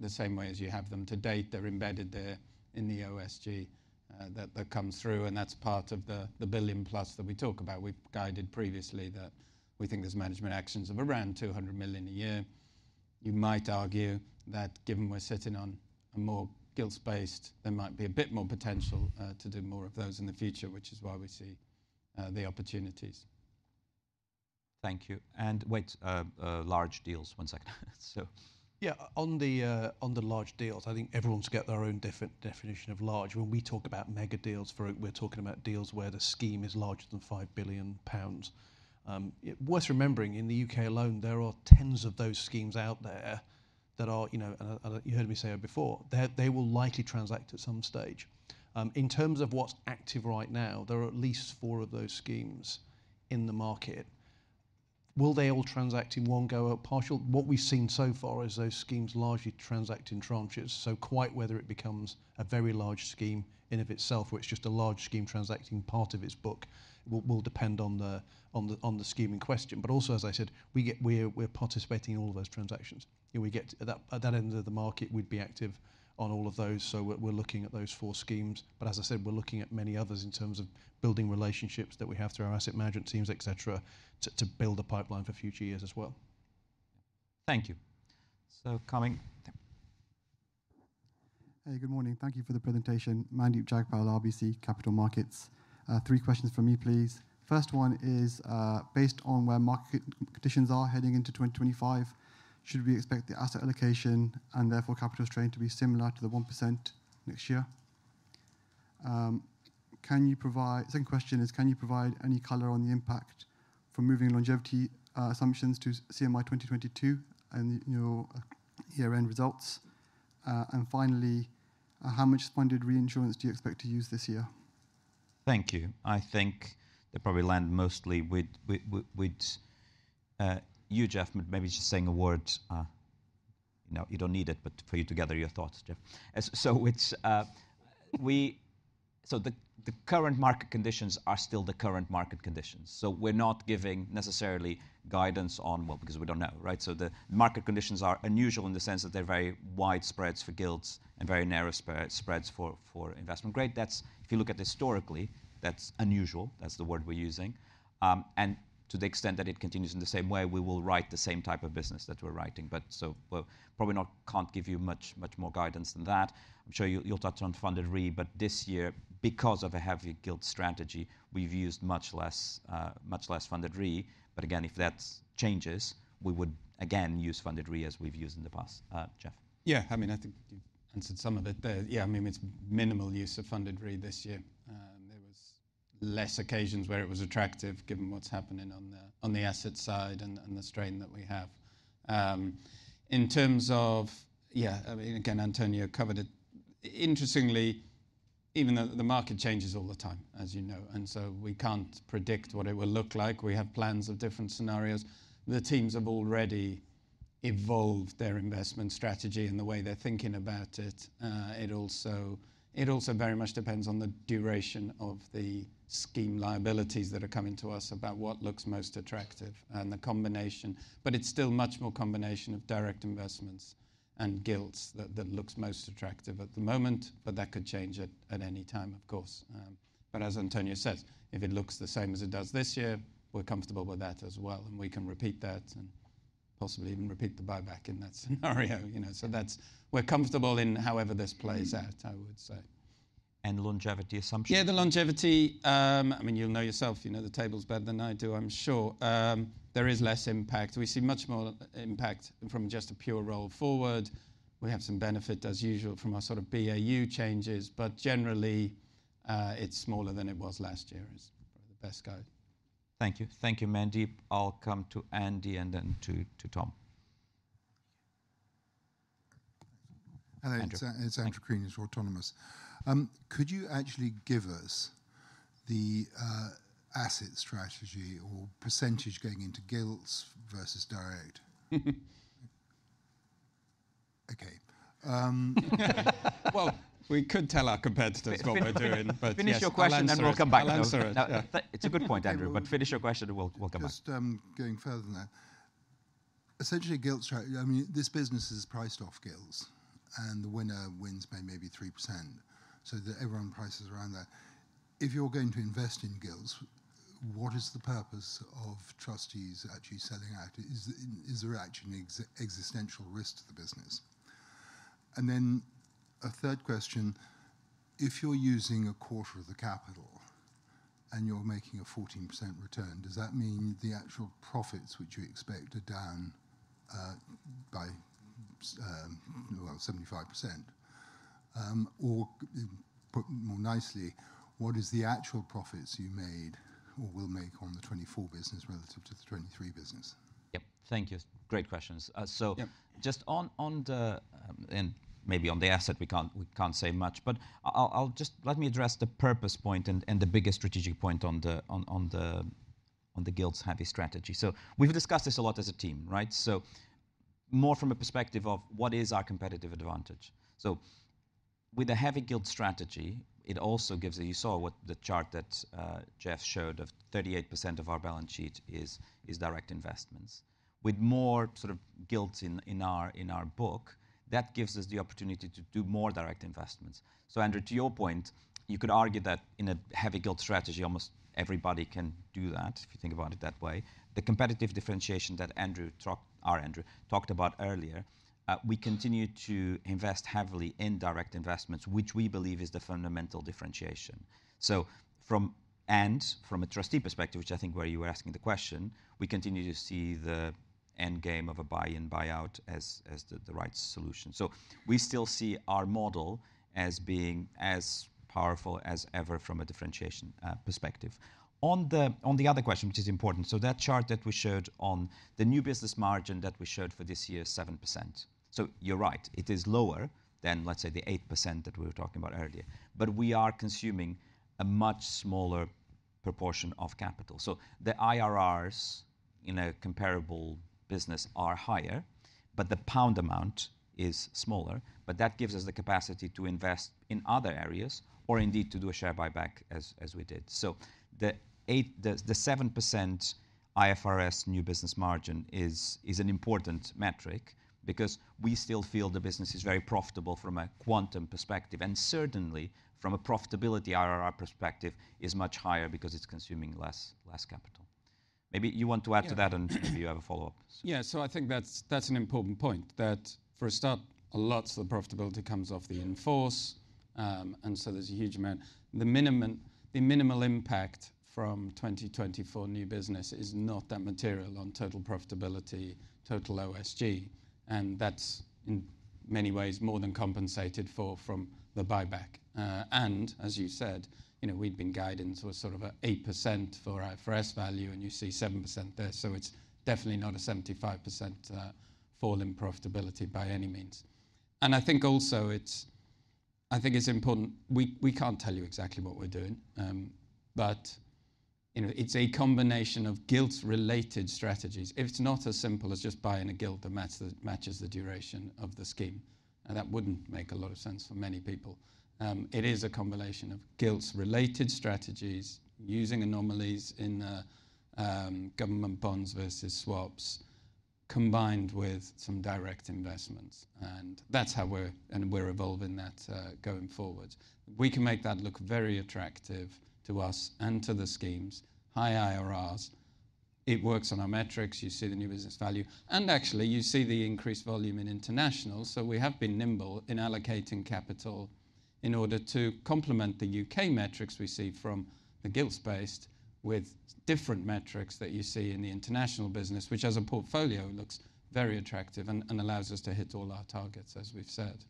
the same way as you have them to date, they're embedded there in the OSG that comes through. And that's part of the billion plus that we talk about. We've guided previously that we think there's management actions of around 200 million a year. You might argue that given we're sitting on a more gilt-based, there might be a bit more potential to do more of those in the future, which is why we see the opportunities. Thank you and wait, large deals, one second. Yeah, on the large deals, I think everyone's got their own definition of large. When we talk about mega deals, Farooq, we're talking about deals where the scheme is larger than 5 billion pounds. Worth remembering, in the U.K. alone, there are tens of those schemes out there that are, and you heard me say it before, they will likely transact at some stage. In terms of what's active right now, there are at least four of those schemes in the market. Will they all transact in one go or partial? What we've seen so far is those schemes largely transact in tranches. So quite whether it becomes a very large scheme in and of itself, or it's just a large scheme transacting part of its book, will depend on the scheme in question. But also, as I said, we're participating in all of those transactions. At that end of the market, we'd be active on all of those. So we're looking at those four schemes. But as I said, we're looking at many others in terms of building relationships that we have through our asset management teams, etc., to build a pipeline for future years as well. Thank you. So coming. Hey, good morning. Thank you for the presentation. Mandeep Jagpal, RBC Capital Markets. Three questions from me, please. First one is, based on where market conditions are heading into 2025, should we expect the asset allocation and therefore capital strain to be similar to the 1% next year? Second question is, can you provide any color on the impact from moving longevity assumptions to CMI 2022 and your year-end results? And finally, how much funded reinsurance do you expect to use this year? Thank you. I think they probably land mostly with you, Jeff, maybe just saying a word. You don't need it, but for you to gather your thoughts, Jeff. So the current market conditions are still the current market conditions. So we're not giving necessarily guidance on what, because we don't know, right? So the market conditions are unusual in the sense that they're very wide spreads for gilts and very narrow spreads for investment grade. If you look at historically, that's unusual. That's the word we're using. And to the extent that it continues in the same way, we will write the same type of business that we're writing. But so we probably can't give you much more guidance than that. I'm sure you'll touch on funded re, but this year, because of a heavy gilts strategy, we've used much less funded re. But again, if that changes, we would again use funded re as we've used in the past, Jeff. Yeah, I mean, I think you've answered some of it there. Yeah, I mean, it's minimal use of funded re this year. There were less occasions where it was attractive, given what's happening on the asset side and the strain that we have. In terms of, yeah, I mean, again, António covered it. Interestingly, even though the market changes all the time, as you know, and so we can't predict what it will look like. We have plans of different scenarios. The teams have already evolved their investment strategy and the way they're thinking about it. It also very much depends on the duration of the scheme liabilities that are coming to us about what looks most attractive and the combination. But it's still much more a combination of direct investments and gilts that looks most attractive at the moment, but that could change at any time, of course. But as Antonio says, if it looks the same as it does this year, we're comfortable with that as well. And we can repeat that and possibly even repeat the buyback in that scenario. So we're comfortable in however this plays out, I would say. Longevity assumption? Yeah, the longevity, I mean, you'll know yourself. You know the tables better than I do, I'm sure. There is less impact. We see much more impact from just a pure roll forward. We have some benefit, as usual, from our sort of BAU changes. But generally, it's smaller than it was last year, is probably the best guide. Thank you. Thank you, Mandeep. I'll come to Andy and then to Tom. Hello, it's Andrew Crean of Autonomous. Could you actually give us the asset strategy or percentage going into gilts versus direct? Okay. We could tell our competitors what we're doing. Finish your question and welcome back Andrew Just going further than that. Essentially, gilt strategy, I mean, this business is priced off gilt, and the winner wins maybe 3%. So everyone prices around that. If you're going to invest in gilt, what is the purpose of trustees actually selling out? Is there actually an existential risk to the business? And then a third question, if you're using a quarter of the capital and you're making a 14% return, does that mean the actual profits, which you expect, are down by 75%? Or more nicely, what is the actual profits you made or will make on the 2024 business relative to the 2023 business? Yep, thank you. Great questions. So just on the, and maybe on the asset, we can't say much, but let me address the purpose point and the biggest strategic point on the gilts heavy strategy. So we've discussed this a lot as a team, right? So more from a perspective of what is our competitive advantage. So with a heavy gilts strategy, it also gives, as you saw, what the chart that Jeff showed of 38% of our balance sheet is direct investments. With more sort of gilts in our book, that gives us the opportunity to do more direct investments. So Andrew, to your point, you could argue that in a heavy gilts strategy, almost everybody can do that, if you think about it that way. The competitive differentiation that Andrew talked about earlier, we continue to invest heavily in direct investments, which we believe is the fundamental differentiation. From a trustee perspective, which I think, where you were asking the question, we continue to see the end game of a buy-in, buy-out as the right solution. So we still see our model as being as powerful as ever from a differentiation perspective. On the other question, which is important, so that chart that we showed on the new business margin that we showed for this year, 7%. So you're right. It is lower than, let's say, the 8% that we were talking about earlier. But we are consuming a much smaller proportion of capital. So the IRRs in a comparable business are higher, but the pound amount is smaller. But that gives us the capacity to invest in other areas or indeed to do a share buyback as we did. So the 7% IFRS new business margin is an important metric because we still feel the business is very profitable from a quantum perspective. And certainly, from a profitability IRR perspective, is much higher because it's consuming less capital. Maybe you want to add to that, Andrew, if you have a follow-up. Yeah, so I think that's an important point. That for a start, a lot of the profitability comes off the in force. And so there's a huge amount. The minimal impact from 2024 new business is not that material on total profitability, total OSG. And that's in many ways more than compensated for from the buyback. And as you said, we'd been guided into a sort of 8% for IFRS value, and you see 7% there. So it's definitely not a 75% fall in profitability by any means. And I think also it's, I think it's important, we can't tell you exactly what we're doing, but it's a combination of gilt-related strategies. It's not as simple as just buying a gilt that matches the duration of the scheme. And that wouldn't make a lot of sense for many people. It is a combination of gilt-related strategies, using anomalies in government bonds versus swaps, combined with some direct investments. And that's how we're evolving that going forward. We can make that look very attractive to us and to the schemes, high IRRs. It works on our metrics. You see the new business value. And actually, you see the increased volume in international. So we have been nimble in allocating capital in order to complement the UK metrics we see from the gilt-based with different metrics that you see in the international business, which as a portfolio looks very attractive and allows us to hit all our targets, as we've said.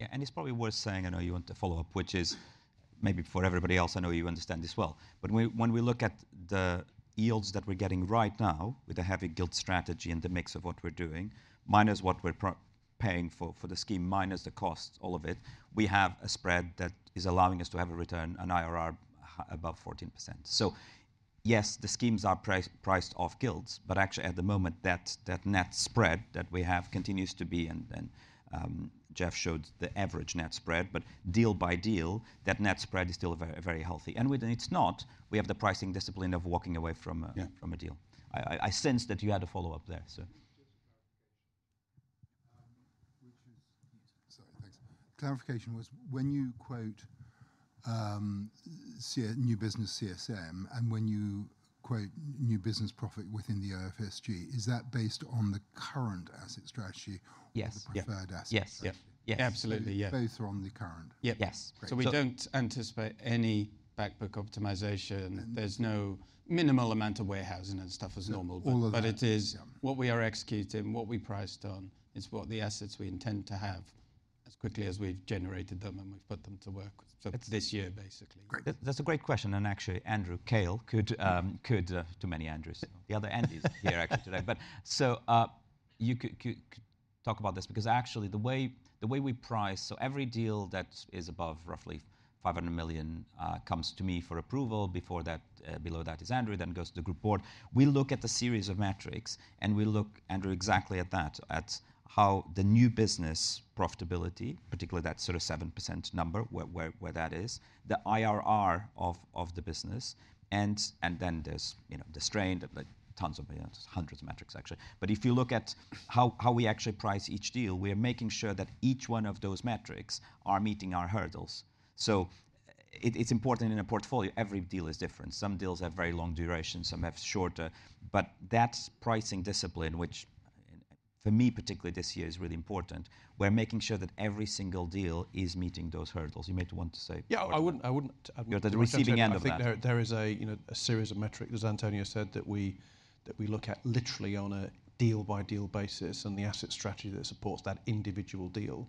Yeah, and it's probably worth saying. I know you want to follow up, which is maybe for everybody else. I know you understand this well. But when we look at the yields that we're getting right now with a heavy gilt strategy and the mix of what we're doing, minus what we're paying for the scheme, minus the costs, all of it, we have a spread that is allowing us to have a return, an IRR above 14%. So yes, the schemes are priced off gilts, but actually at the moment, that net spread that we have continues to be, and Jeff showed the average net spread. But deal by deal, that net spread is still very healthy. And when it's not, we have the pricing discipline of walking away from a deal. I sense that you had a follow-up there, so. Sorry, thanks. Clarification: when you quote new business CSM and when you quote new business profit within the OSG, is that based on the current asset strategy or the preferred asset? Yes. Yes. Absolutely, yeah. Both are on the current. Yes. So we don't anticipate any backbook optimization. There's no minimal amount of warehousing and stuff as normal. But it is what we are executing, what we priced on, is what the assets we intend to have as quickly as we've generated them and we've put them to work. So this year, basically. That's a great question. And actually, Andrew Kail, good to meet many Andrews. The other Andys are here actually today. But so you could talk about this because actually the way we price, so every deal that is above roughly $500 million comes to me for approval. Below that is Andrew, then goes to the group board. We look at the series of metrics and we look, Andrew, exactly at that, at how the new business profitability, particularly that sort of 7% number where that is, the IRR of the business. And then there's the strain, tons, hundreds of metrics, actually. But if you look at how we actually price each deal, we are making sure that each one of those metrics are meeting our hurdles. So it's important in a portfolio. Every deal is different. Some deals have very long durations, some have shorter. But that pricing discipline, which for me, particularly this year, is really important. We're making sure that every single deal is meeting those hurdles. You may want to say. Yeah, I wouldn't. You're at the receiving end of that. I think there is a series of metrics, as Antonio said, that we look at literally on a deal-by-deal basis, and the asset strategy that supports that individual deal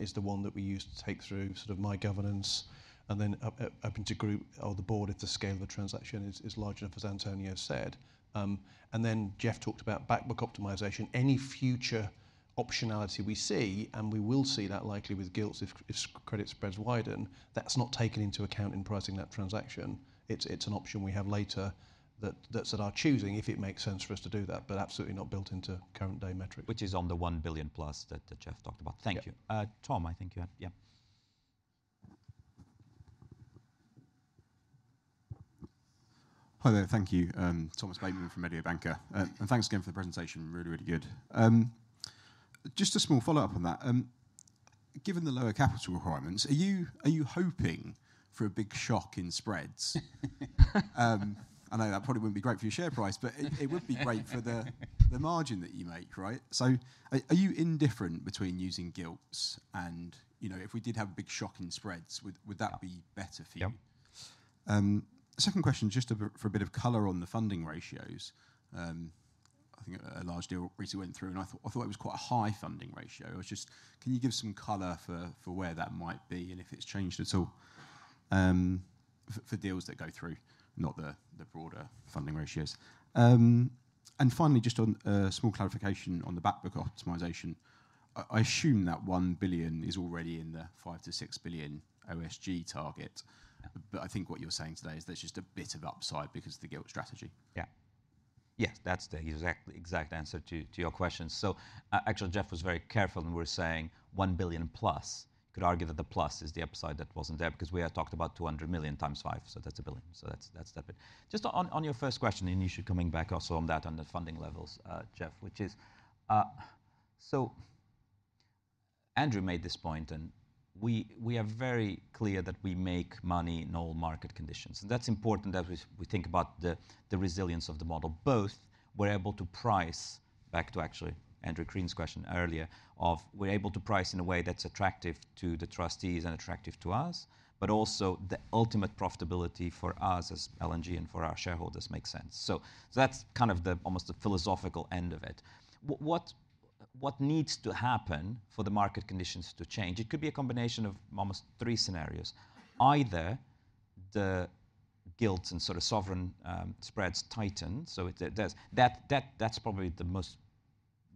is the one that we use to take through sort of my governance and then up to Group or the board if the scale of the transaction is large enough, as Antonio said, and then Jeff talked about backbook optimization. Any future optionality we see, and we will see that likely with gilts if credit spreads widen, that's not taken into account in pricing that transaction. It's an option we have later that's at our choosing if it makes sense for us to do that, but absolutely not built into current-day metrics. Which is on the $1 billion plus that Jeff talked about. Thank you. Tom, I think you had, yeah. Hi, there. Thank you, Thomas Bateman from Berenberg, and thanks again for the presentation. Really, really good. Just a small follow-up on that. Given the lower capital requirements, are you hoping for a big shock in spreads? I know that probably wouldn't be great for your share price, but it would be great for the margin that you make, right? So are you indifferent between using gilts? And if we did have a big shock in spreads, would that be better for you? Yep. Second question, just for a bit of color on the funding ratios. I think a large deal recently went through, and I thought it was quite a high funding ratio. It was just, can you give some color for where that might be and if it's changed at all for deals that go through, not the broader funding ratios? And finally, just a small clarification on the backbook optimization. I assume that $1 billion is already in the $5-$6 billion OSG target. But I think what you're saying today is there's just a bit of upside because of the gilt strategy. Yeah. Yes, that's the exact answer to your question. So actually, Jeff was very careful in saying $1 billion plus. You could argue that the plus is the upside that wasn't there because we had talked about $200 million times five. So that's a billion. So that's that bit. Just on your first question, and you should come back also on that on the funding levels, Jeff, which is so Andrew made this point, and we are very clear that we make money in all market conditions. And that's important as we think about the resilience of the model. Both we're able to price back to actually Andrew Crean's question earlier of we're able to price in a way that's attractive to the trustees and attractive to us, but also the ultimate profitability for us as L&G and for our shareholders makes sense. That's kind of almost the philosophical end of it. What needs to happen for the market conditions to change? It could be a combination of almost three scenarios. Either the gilt and sort of sovereign spreads tighten. That's probably the most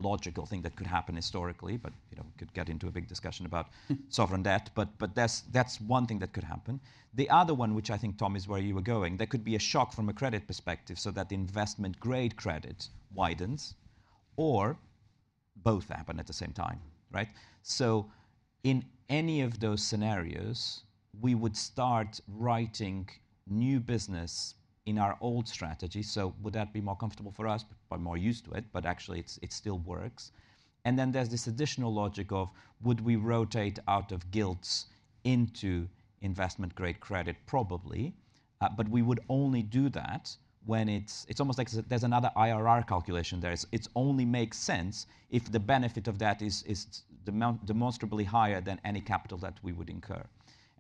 logical thing that could happen historically. But we could get into a big discussion about sovereign debt. That's one thing that could happen. The other one, which I think, Tom, is where you were going, there could be a shock from a credit perspective so that the investment-grade credit widens. Or both happen at the same time, right? In any of those scenarios, we would start writing new business in our old strategy. Would that be more comfortable for us? We're more used to it, but actually it still works. And then there's this additional logic of would we rotate out of gilts into investment-grade credit? Probably. But we would only do that when it's almost like there's another IRR calculation there. It only makes sense if the benefit of that is demonstrably higher than any capital that we would incur.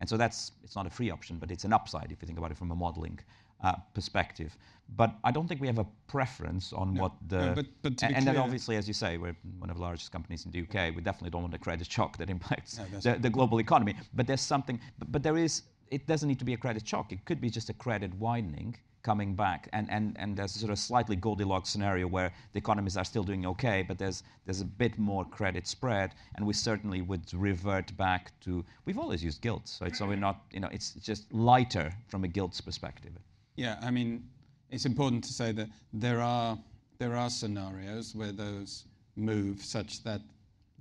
And so it's not a free option, but it's an upside if you think about it from a modeling perspective. But I don't think we have a preference on what the. And then obviously, as you say, we're one of the largest companies in the U.K. We definitely don't want a credit shock that impacts the global economy. But there's something. But it doesn't need to be a credit shock. It could be just a credit widening coming back. There's sort of a slightly Goldilocks scenario where the economies are still doing okay, but there's a bit more credit spread. We certainly would revert back to what we've always used: gilts. So it's just lighter from a gilts perspective. Yeah. I mean, it's important to say that there are scenarios where those move such that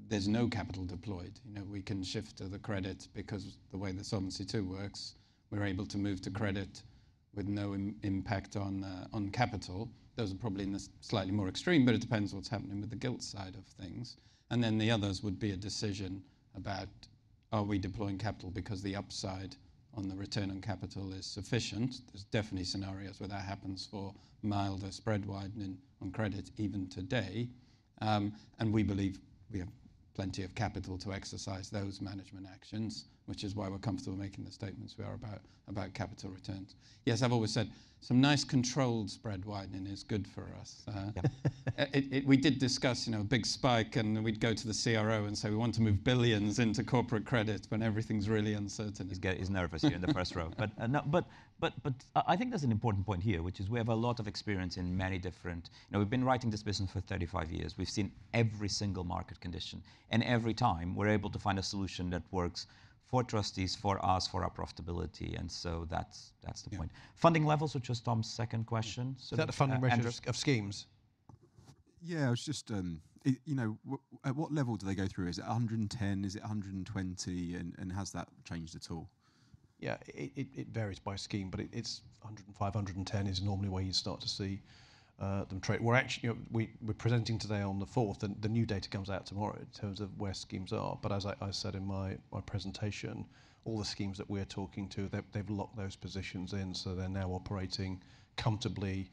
there's no capital deployed. We can shift to the credit because the way the Solvency II works, we're able to move to credit with no impact on capital. Those are probably in the slightly more extreme, but it depends what's happening with the gilt side of things. And then the others would be a decision about are we deploying capital because the upside on the return on capital is sufficient. There's definitely scenarios where that happens for milder spread widening on credit even today. And we believe we have plenty of capital to exercise those management actions, which is why we're comfortable making the statements we are about capital returns. Yes, I've always said some nice controlled spread widening is good for us. We did discuss a big spike, and we'd go to the CRO and say, "We want to move billions into corporate credit when everything's really uncertain. He's nervous here in the first row, but I think there's an important point here, which is we have a lot of experience in many different we've been writing this business for 35 years. We've seen every single market condition, and every time we're able to find a solution that works for trustees, for us, for our profitability. So that's the point. Funding levels, which was Tom's second question. Is that the funding ratio of schemes? Yeah, it's just at what level do they go through? Is it 110? Is it 120? And has that changed at all? Yeah, it varies by scheme, but it's 105, 110 is normally where you start to see them trade. We're presenting today on the 4th, and the new data comes out tomorrow in terms of where schemes are. But as I said in my presentation, all the schemes that we're talking to, they've locked those positions in. So they're now operating comfortably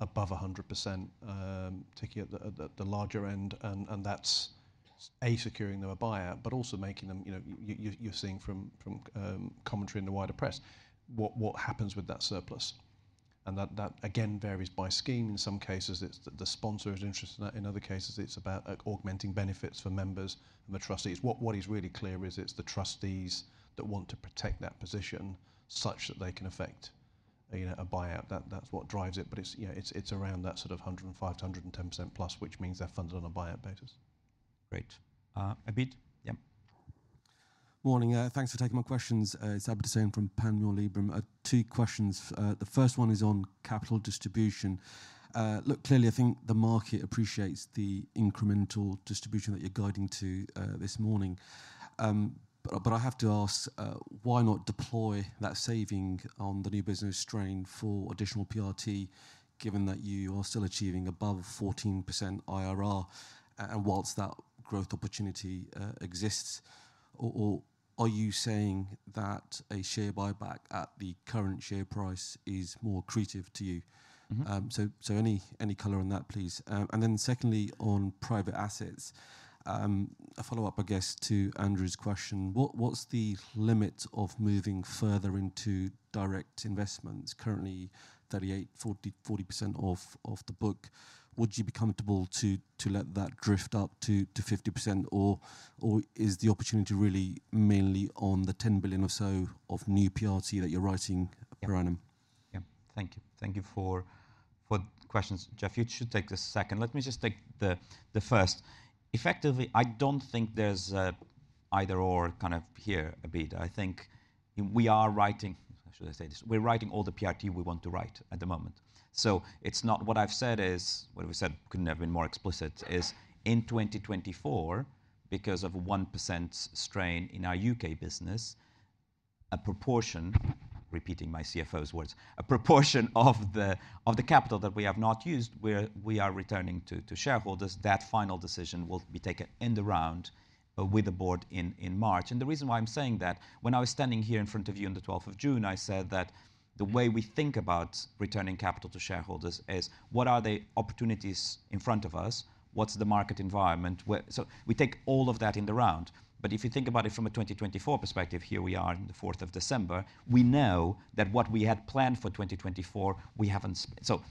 above 100%, particularly at the larger end. And that's A, securing them a buy-out, but also making them you're seeing from commentary in the wider press, what happens with that surplus. And that, again, varies by scheme. In some cases, it's the sponsor's interest. In other cases, it's about augmenting benefits for members and the trustees. What is really clear is it's the trustees that want to protect that position such that they can effect a buy-out. That's what drives it. But it's around that sort of 105%-110% plus, which means they're funded on a buyout basis. Great. Abid? Yeah. Morning. Thanks for taking my questions. It's Abid Hussain from Panmure Liberum. Two questions. The first one is on capital distribution. Look, clearly, I think the market appreciates the incremental distribution that you're guiding to this morning. But I have to ask, why not deploy that saving on the new business strain for additional PRT, given that you are still achieving above 14% IRR and whilst that growth opportunity exists? Or are you saying that a share buyback at the current share price is more creative to you? So any color on that, please. And then secondly, on private assets, a follow-up, I guess, to Andrew's question. What's the limit of moving further into direct investments? Currently, 38%-40% off the book. Would you be comfortable to let that drift up to 50%? Or is the opportunity really mainly on the £10 billion or so of new PRT that you're writing per annum? Yeah. Thank you. Thank you for the questions. Jeff, you should take this second. Let me just take the first. Effectively, I don't think there's an either/or kind of here, Abid. I think we are writing (how should I say this?) we're writing all the PRT we want to write at the moment. So it's not what I've said is (what have we said? Couldn't have been more explicit) is in 2024, because of a 1% strain in our U.K. business, a proportion (repeating my CFO's words) a proportion of the capital that we have not used, we are returning to shareholders. That final decision will be taken end around with the board in March. And the reason why I'm saying that, when I was standing here in front of you on the 12th of June, I said that the way we think about returning capital to shareholders is, what are the opportunities in front of us? What's the market environment? So we take all of that into account. But if you think about it from a 2024 perspective, here we are on the 4th of December, we know that what we had planned for 2024, we haven't. So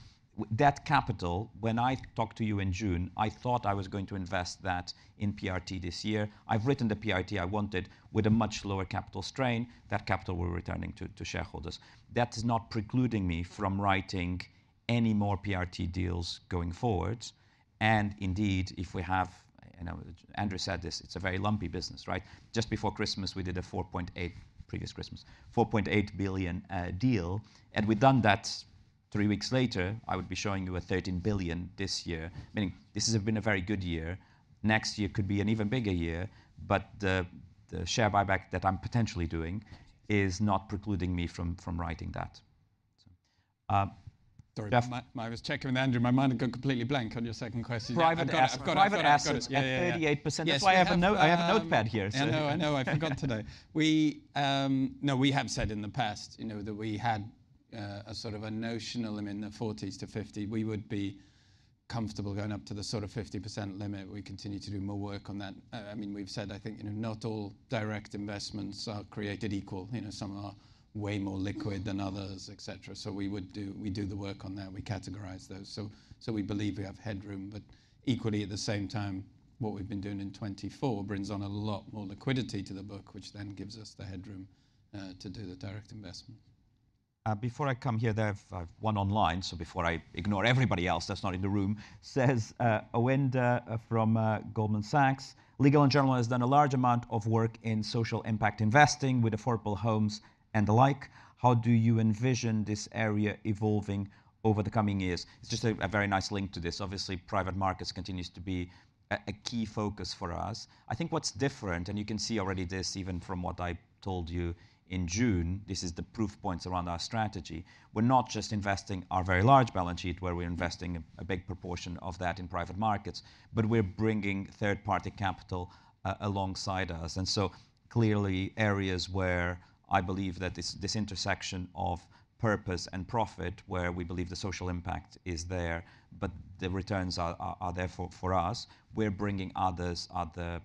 that capital, when I talked to you in June, I thought I was going to invest that in PRT this year. I've written the PRT I wanted with a much lower capital strain. That capital we're returning to shareholders. That is not precluding me from writing any more PRT deals going forward. And indeed, if we have, Andrew said this, it's a very lumpy business, right? Just before previous Christmas, we did a 4.8 billion deal. And we've done that three weeks later. I would be showing you a $13 billion this year, meaning this has been a very good year. Next year could be an even bigger year. But the share buyback that I'm potentially doing is not precluding me from writing that. Sorry, Jeff. I was checking with Andrew. My mind had gone completely blank on your second question. Private assets. Private assets. Yeah. At 38%. Yes, I have a note. I have a notepad here. I know. I know. I forgot today. No, we have said in the past that we had a sort of a notional limit in the 40s to 50. We would be comfortable going up to the sort of 50% limit. We continue to do more work on that. I mean, we've said, I think, not all direct investments are created equal. Some are way more liquid than others, etc. So we do the work on that. We categorize those. So we believe we have headroom. But equally, at the same time, what we've been doing in 2024 brings on a lot more liquidity to the book, which then gives us the headroom to do the direct investment. Before I come here, there's one online. So before I ignore everybody else that's not in the room, says Andrew from Goldman Sachs. Legal & General has done a large amount of work in social impact investing with affordable homes and the like. How do you envision this area evolving over the coming years? It's just a very nice link to this. Obviously, private markets continues to be a key focus for us. I think what's different, and you can see already this even from what I told you in June, this is the proof points around our strategy. We're not just investing our very large balance sheet where we're investing a big proportion of that in private markets, but we're bringing third-party capital alongside us. And so clearly, areas where I believe that this intersection of purpose and profit, where we believe the social impact is there, but the returns are there for us, we're bringing other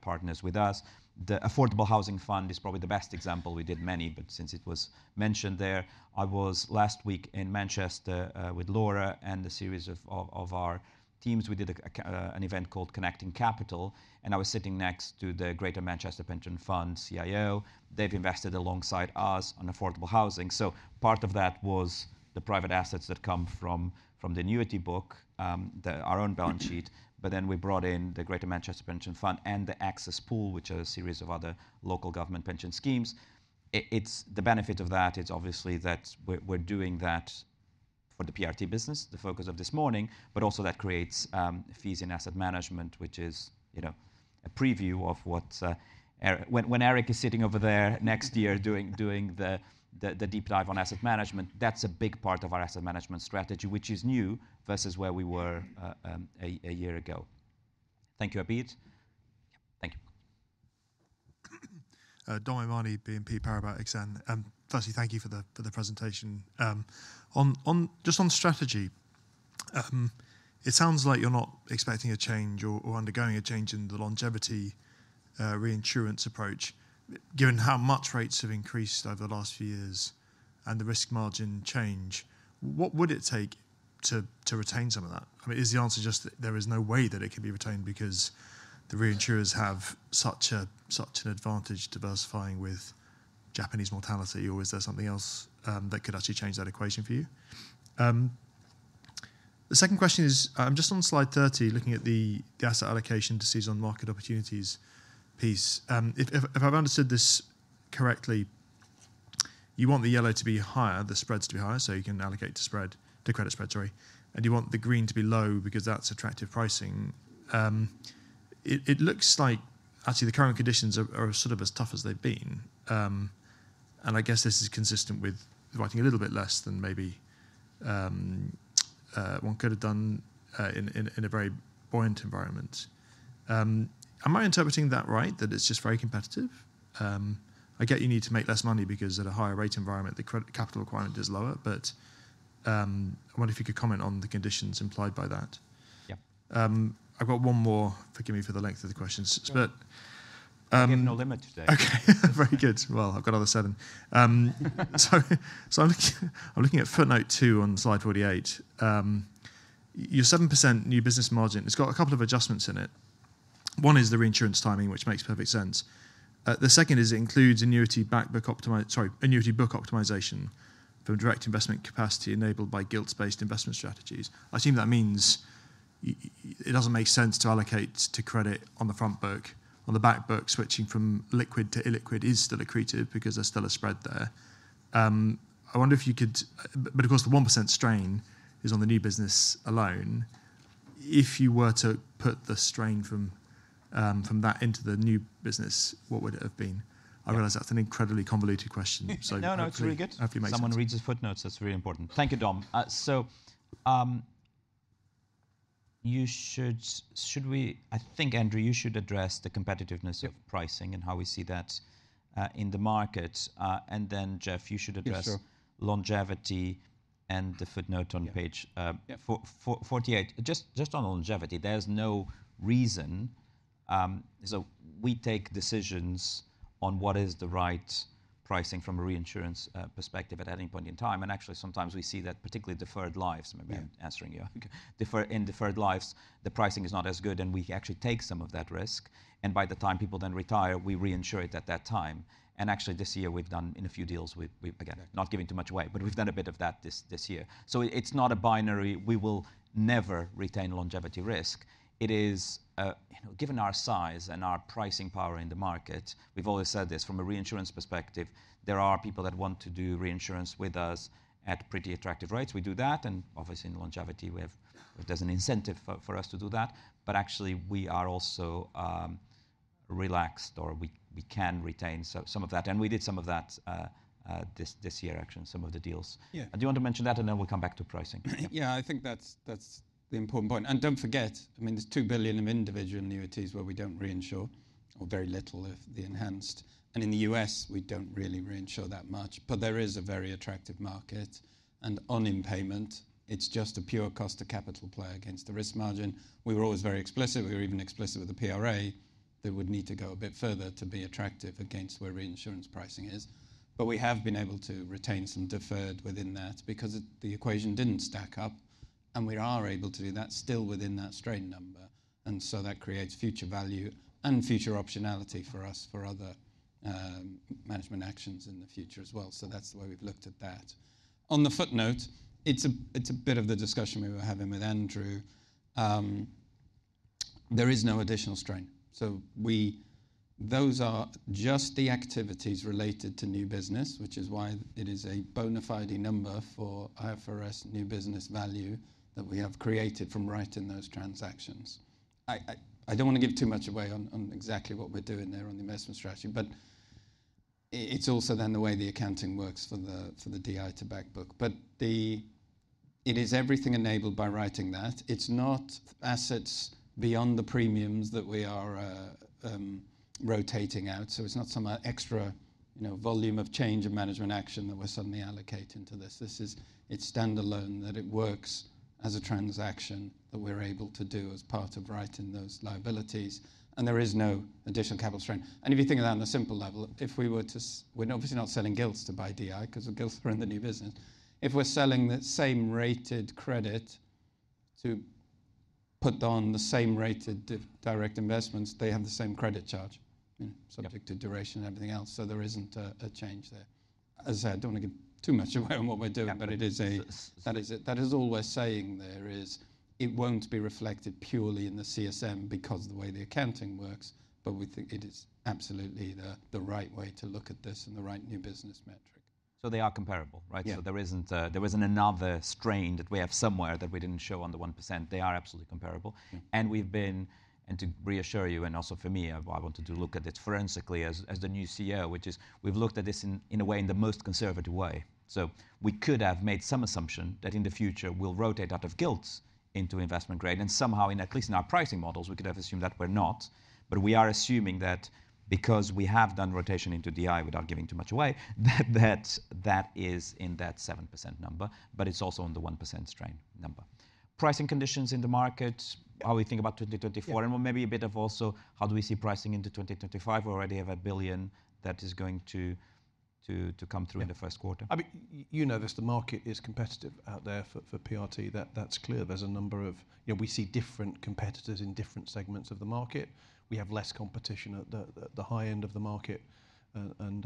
partners with us. The Affordable Housing Fund is probably the best example. We did many, but since it was mentioned there, I was last week in Manchester with Laura and a series of our teams. We did an event called Connecting Capital. And I was sitting next to the Greater Manchester Pension Fund CIO. They've invested alongside us on affordable housing. So part of that was the private assets that come from the annuity book, our own balance sheet. But then we brought in the Greater Manchester Pension Fund and the ACCESS Pool, which are a series of other local government pension schemes. The benefit of that is obviously that we're doing that for the PRT business, the focus of this morning, but also that creates fees in asset management, which is a preview of what, when Eric is sitting over there next year doing the deep dive on asset management, that's a big part of our asset management strategy, which is new versus where we were a year ago. Thank you, Abid. Thank you. Dominic O'Mahony, BNP Paribas Exane. First, thank you for the presentation. Just on strategy, it sounds like you're not expecting a change or undergoing a change in the longevity reinsurance approach, given how much rates have increased over the last few years and the risk margin change. What would it take to retain some of that? I mean, is the answer just that there is no way that it can be retained because the reinsurers have such an advantage diversifying with Japanese mortality? Or is there something else that could actually change that equation for you? The second question is, I'm just on slide 30, looking at the asset allocation decision on market opportunities piece. If I've understood this correctly, you want the yellow to be higher, the spreads to be higher, so you can allocate to spread, to credit spread, sorry. You want the green to be low because that's attractive pricing. It looks like actually the current conditions are sort of as tough as they've been. I guess this is consistent with writing a little bit less than maybe one could have done in a very buoyant environment. Am I interpreting that right, that it's just very competitive? I get you need to make less money because at a higher rate environment, the capital requirement is lower. I wonder if you could comment on the conditions implied by that. I've got one more. Forgive me for the length of the questions. We have no limit today. Okay. Very good. Well, I've got other seven. So I'm looking at footnote two on slide 48. Your 7% new business margin, it's got a couple of adjustments in it. One is the reinsurance timing, which makes perfect sense. The second is it includes annuity backbook optimization from direct investment capacity enabled by gilt-based investment strategies. I assume that means it doesn't make sense to allocate to credit on the front book. On the back book, switching from liquid to illiquid is still accretive because there's still a spread there. I wonder if you could, but of course, the 1% strain is on the new business alone. If you were to put the strain from that into the new business, what would it have been? I realize that's an incredibly convoluted question, so. No, no. It's really good. Someone reads his footnotes. That's really important. Thank you, Dom, so should we. I think, Andrew, you should address the competitiveness of pricing and how we see that in the market, and then, Jeff, you should address longevity and the footnote on page 48. Just on longevity, there's no reason, so we take decisions on what is the right pricing from a reinsurance perspective at any point in time, and actually, sometimes we see that, particularly deferred lives. Maybe I'm answering you. In deferred lives, the pricing is not as good, and we actually take some of that risk, and by the time people then retire, we reinsure it at that time, and actually, this year, we've done in a few deals. Again, not giving too much away, but we've done a bit of that this year, so it's not a binary. We will never retain longevity risk. It is, given our size and our pricing power in the market, we've always said this from a reinsurance perspective. There are people that want to do reinsurance with us at pretty attractive rates. We do that. And obviously, in longevity, there's an incentive for us to do that. But actually, we are also relaxed, or we can retain some of that. And we did some of that this year, actually, in some of the deals. Do you want to mention that? And then we'll come back to pricing. Yeah, I think that's the important point. And don't forget, I mean, there's $2 billion of individual annuities where we don't reinsure, or very little, if they're enhanced. And in the U.S., we don't really reinsure that much. But there is a very attractive market. And on impairment, it's just a pure cost of capital play against the risk margin. We were always very explicit. We were even explicit with the PRA that we'd need to go a bit further to be attractive against where reinsurance pricing is. But we have been able to retain some deferred within that because the equation didn't stack up. And we are able to do that still within that strain number. And so that creates future value and future optionality for us for other management actions in the future as well. So that's the way we've looked at that. On the footnote, it's a bit of the discussion we were having with Andrew. There is no additional strain, so those are just the activities related to new business, which is why it is a bona fide number for IFRS new business value that we have created from writing those transactions. I don't want to give too much away on exactly what we're doing there on the investment strategy, but it's also then the way the accounting works for the DI to backbook, but it is everything enabled by writing that. It's not assets beyond the premiums that we are rotating out. So it's not some extra volume of change and management action that we're suddenly allocating to this. It's standalone that it works as a transaction that we're able to do as part of writing those liabilities, and there is no additional capital strain. If you think of that on a simple level, we're obviously not selling gilts to buy DI because the gilts are in the new business. If we're selling the same rated credit to put on the same rated direct investments, they have the same credit charge, subject to duration and everything else. There isn't a change there. As I said, I don't want to give too much away on what we're doing, but that is all we're saying there. It won't be reflected purely in the CSM because of the way the accounting works. We think it is absolutely the right way to look at this and the right new business metric. So they are comparable, right? So there isn't another strain that we have somewhere that we didn't show on the 1%. They are absolutely comparable. And we've been, and to reassure you and also for me, I wanted to look at this forensically as the new CEO, which is we've looked at this in a way in the most conservative way. So we could have made some assumption that in the future, we'll rotate out of gilts into investment grade. And somehow, at least in our pricing models, we could have assumed that we're not. But we are assuming that because we have done rotation into DI without giving too much away, that that is in that 7% number. But it's also on the 1% strain number. Pricing conditions in the market, how we think about 2024, and maybe a bit of also how do we see pricing into 2025? We already have 1 billion that is going to come through in the first quarter. I mean, you know this. The market is competitive out there for PRT. That's clear. There's a number of. We see different competitors in different segments of the market. We have less competition at the high end of the market. And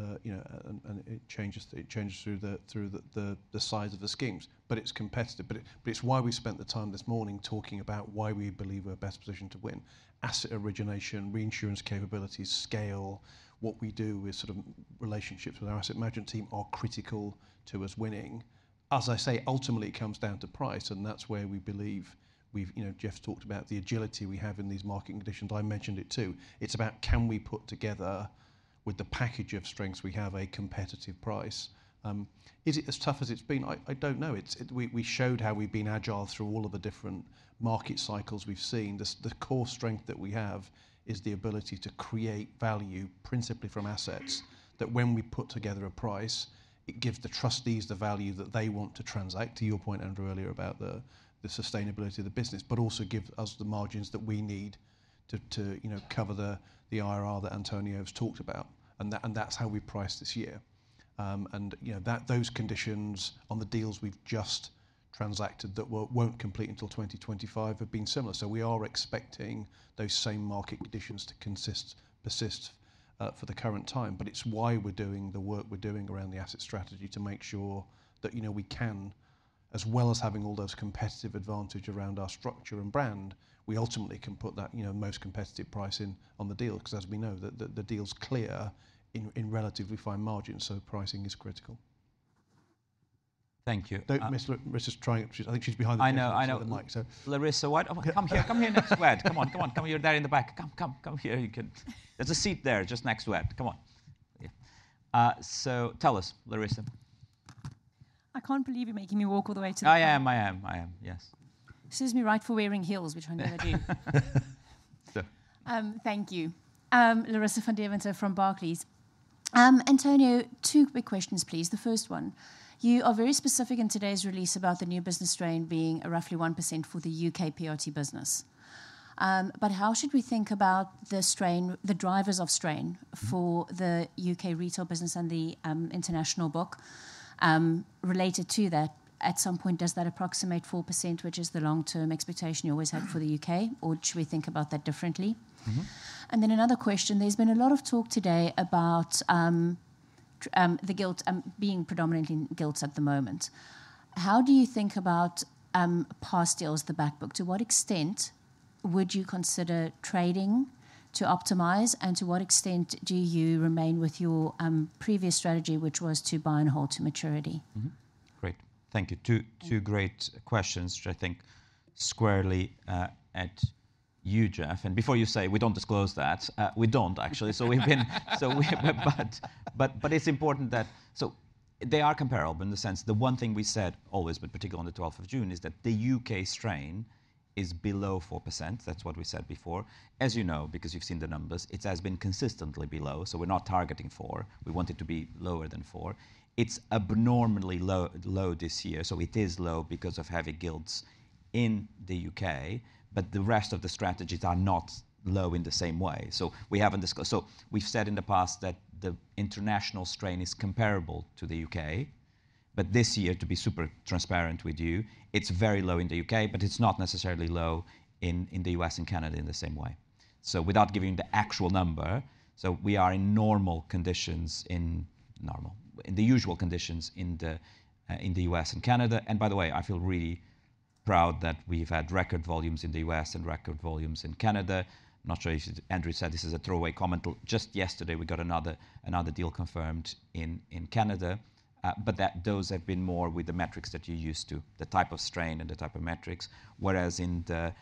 it changes through the size of the schemes. But it's competitive. But it's why we spent the time this morning talking about why we believe we're in the best position to win. Asset origination, reinsurance capabilities, scale, what we do with sort of relationships with our asset management team are critical to us winning. As I say, ultimately, it comes down to price. And that's where we believe we've. Jeff talked about the agility we have in these market conditions. I mentioned it too. It's about can we put together, with the package of strengths we have, a competitive price? Is it as tough as it's been? I don't know. We showed how we've been agile through all of the different market cycles we've seen. The core strength that we have is the ability to create value principally from assets that when we put together a price, it gives the trustees the value that they want to transact, to your point, Andrew, earlier about the sustainability of the business, but also gives us the margins that we need to cover the IRR that António has talked about, and that's how we priced this year. And those conditions on the deals we've just transacted that won't complete until 2025 have been similar, so we are expecting those same market conditions to persist for the current time. But it's why we're doing the work we're doing around the asset strategy to make sure that we can, as well as having all those competitive advantages around our structure and brand, we ultimately can put that most competitive price in on the deal because, as we know, the deal's clear in relatively fine margins. So pricing is critical. Thank you. Miss Larissa's trying, I think she's behind the mic. I know. Larissa, come here next to Ed. Come on. Come here. You're there in the back. There's a seat there just next to Ed. Come on. So tell us, Larissa. I can't believe you're making me walk all the way to the back. I am. Yes. Excuse me for wearing heels, which I never do. Thank you. Larissa van Deventer from Barclays. Antonio, two quick questions, please. The first one, you are very specific in today's release about the new business strain being roughly 1% for the UK PRT business. But how should we think about the drivers of strain for the UK retail business and the international book related to that? At some point, does that approximate 4%, which is the long-term expectation you always had for the UK? Or should we think about that differently? And then another question. There's been a lot of talk today about the gilts being predominantly gilts at the moment. How do you think about past deals, the backbook? To what extent would you consider trading to optimize? And to what extent do you remain with your previous strategy, which was to buy and hold to maturity? Great. Thank you. Two great questions, which I think squarely at you, Jeff. And before you say, "We don't disclose that," we don't, actually. So we've been, but it's important that, so they are comparable in the sense. The one thing we said always, but particularly on the 12th of June, is that the UK strain is below 4%. That's what we said before. As you know, because you've seen the numbers, it has been consistently below. So we're not targeting 4. We want it to be lower than 4. It's abnormally low this year. So it is low because of heavy gilts in the UK. But the rest of the strategies are not low in the same way. So we haven't discussed, so we've said in the past that the international strain is comparable to the UK. But this year, to be super transparent with you, it's very low in the UK, but it's not necessarily low in the US and Canada in the same way. So without giving the actual number, so we are in the usual conditions in the US and Canada. And by the way, I feel really proud that we've had record volumes in the US and record volumes in Canada. I'm not sure if Andrew said this is a throwaway comment. Just yesterday, we got another deal confirmed in Canada. But those have been more with the metrics that you're used to, the type of strain and the type of metrics. Whereas in the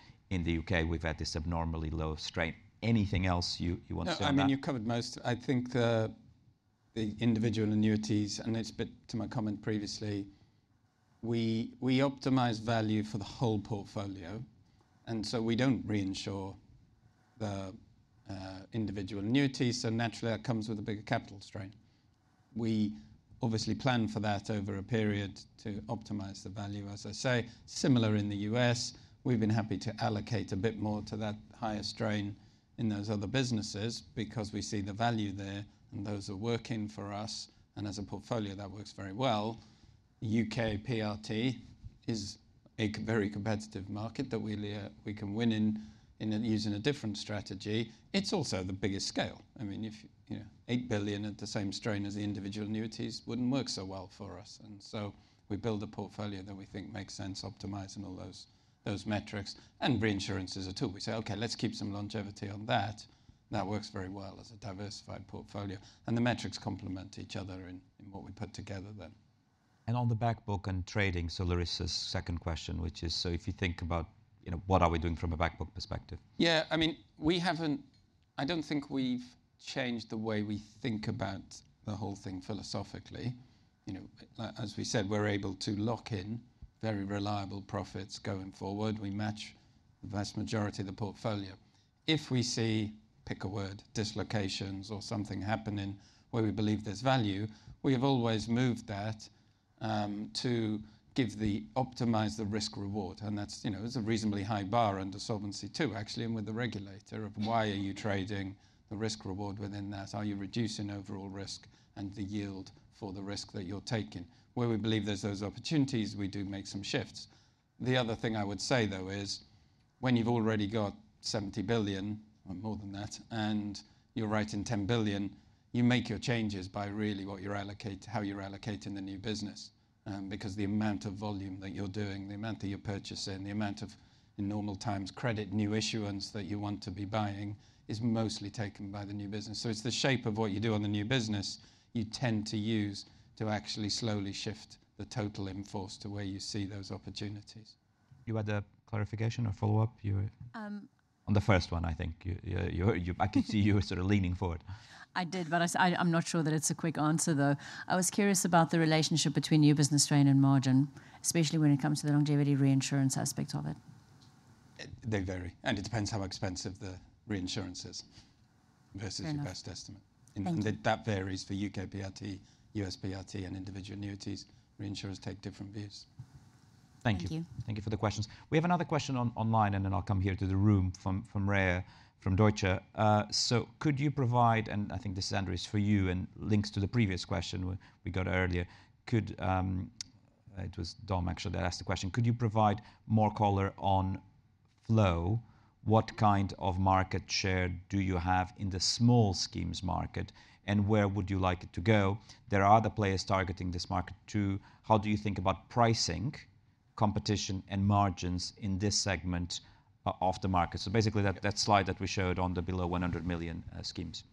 UK, we've had this abnormally low strain. Anything else you want to say about that? I mean, you've covered most. I think the individual annuities, and it's a bit to my comment previously, we optimize value for the whole portfolio, and so we don't reinsure the individual annuities, so naturally, that comes with a bigger capital strain. We obviously plan for that over a period to optimize the value, as I say. Similar in the U.S., we've been happy to allocate a bit more to that higher strain in those other businesses because we see the value there, and those are working for us, and as a portfolio, that works very well. U.K. PRT is a very competitive market that we can win in using a different strategy. It's also the biggest scale. I mean, if eight billion at the same strain as the individual annuities wouldn't work so well for us, and so we build a portfolio that we think makes sense, optimizing all those metrics. Reinsurance is a tool. We say, "Okay, let's keep some longevity on that." That works very well as a diversified portfolio. The metrics complement each other in what we put together then. And on the backbook and trading, so Larissa's second question, which is, so if you think about what are we doing from a backbook perspective? Yeah. I mean, I don't think we've changed the way we think about the whole thing philosophically. As we said, we're able to lock in very reliable profits going forward. We match the vast majority of the portfolio. If we see, pick a word, dislocations or something happening where we believe there's value, we have always moved that to optimize the risk-reward. And that's a reasonably high bar under solvency too, actually, and with the regulator of why are you trading the risk-reward within that? Are you reducing overall risk and the yield for the risk that you're taking? Where we believe there's those opportunities, we do make some shifts. The other thing I would say, though, is when you've already got 70 billion or more than that, and you're writing 10 billion, you make your changes by really how you're allocating the new business. Because the amount of volume that you're doing, the amount that you're purchasing, the amount of, in normal times, credit new issuance that you want to be buying is mostly taken by the new business. So it's the shape of what you do on the new business you tend to use to actually slowly shift the total in-force to where you see those opportunities. You had a clarification or follow-up? I'm sorry. On the first one, I think. I could see you were sort of leaning forward. I did. But I'm not sure that it's a quick answer, though. I was curious about the relationship between new business strain and margin, especially when it comes to the longevity reinsurance aspect of it. They vary. And it depends how expensive the reinsurance is versus your best estimate. And that varies for U.K. PRT, U.S. PRT, and individual annuities. Reinsurers take different views. Thank you. Thank you. Thank you for the questions. We have another question online, and then I'll come here to the room from Reyer, from Deutsche. So could you provide, and I think this is, Andrew, it's for you and links to the previous question we got earlier, it was Dom, actually, that asked the question. Could you provide more color on flow? What kind of market share do you have in the small schemes market, and where would you like it to go? There are other players targeting this market too. How do you think about pricing, competition, and margins in this segment of the market? So basically, that slide that we showed on the below 100 million schemes.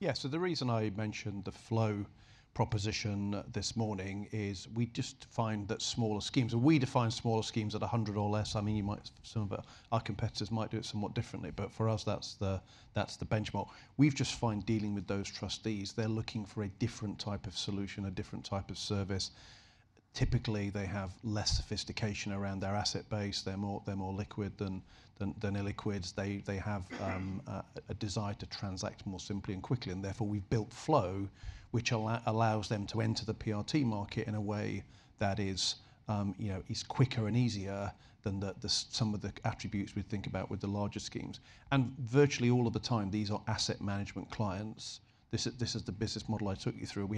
Yeah. So the reason I mentioned the Flow proposition this morning is we just find that smaller schemes, and we define smaller schemes at 100 or less. I mean, some of our competitors might do it somewhat differently. But for us, that's the benchmark. We've just found dealing with those trustees, they're looking for a different type of solution, a different type of service. Typically, they have less sophistication around their asset base. They're more liquid than illiquid. They have a desire to transact more simply and quickly. And therefore, we've built Flow, which allows them to enter the PRT market in a way that is quicker and easier than some of the attributes we think about with the larger schemes. And virtually all of the time, these are asset management clients. This is the business model I took you through.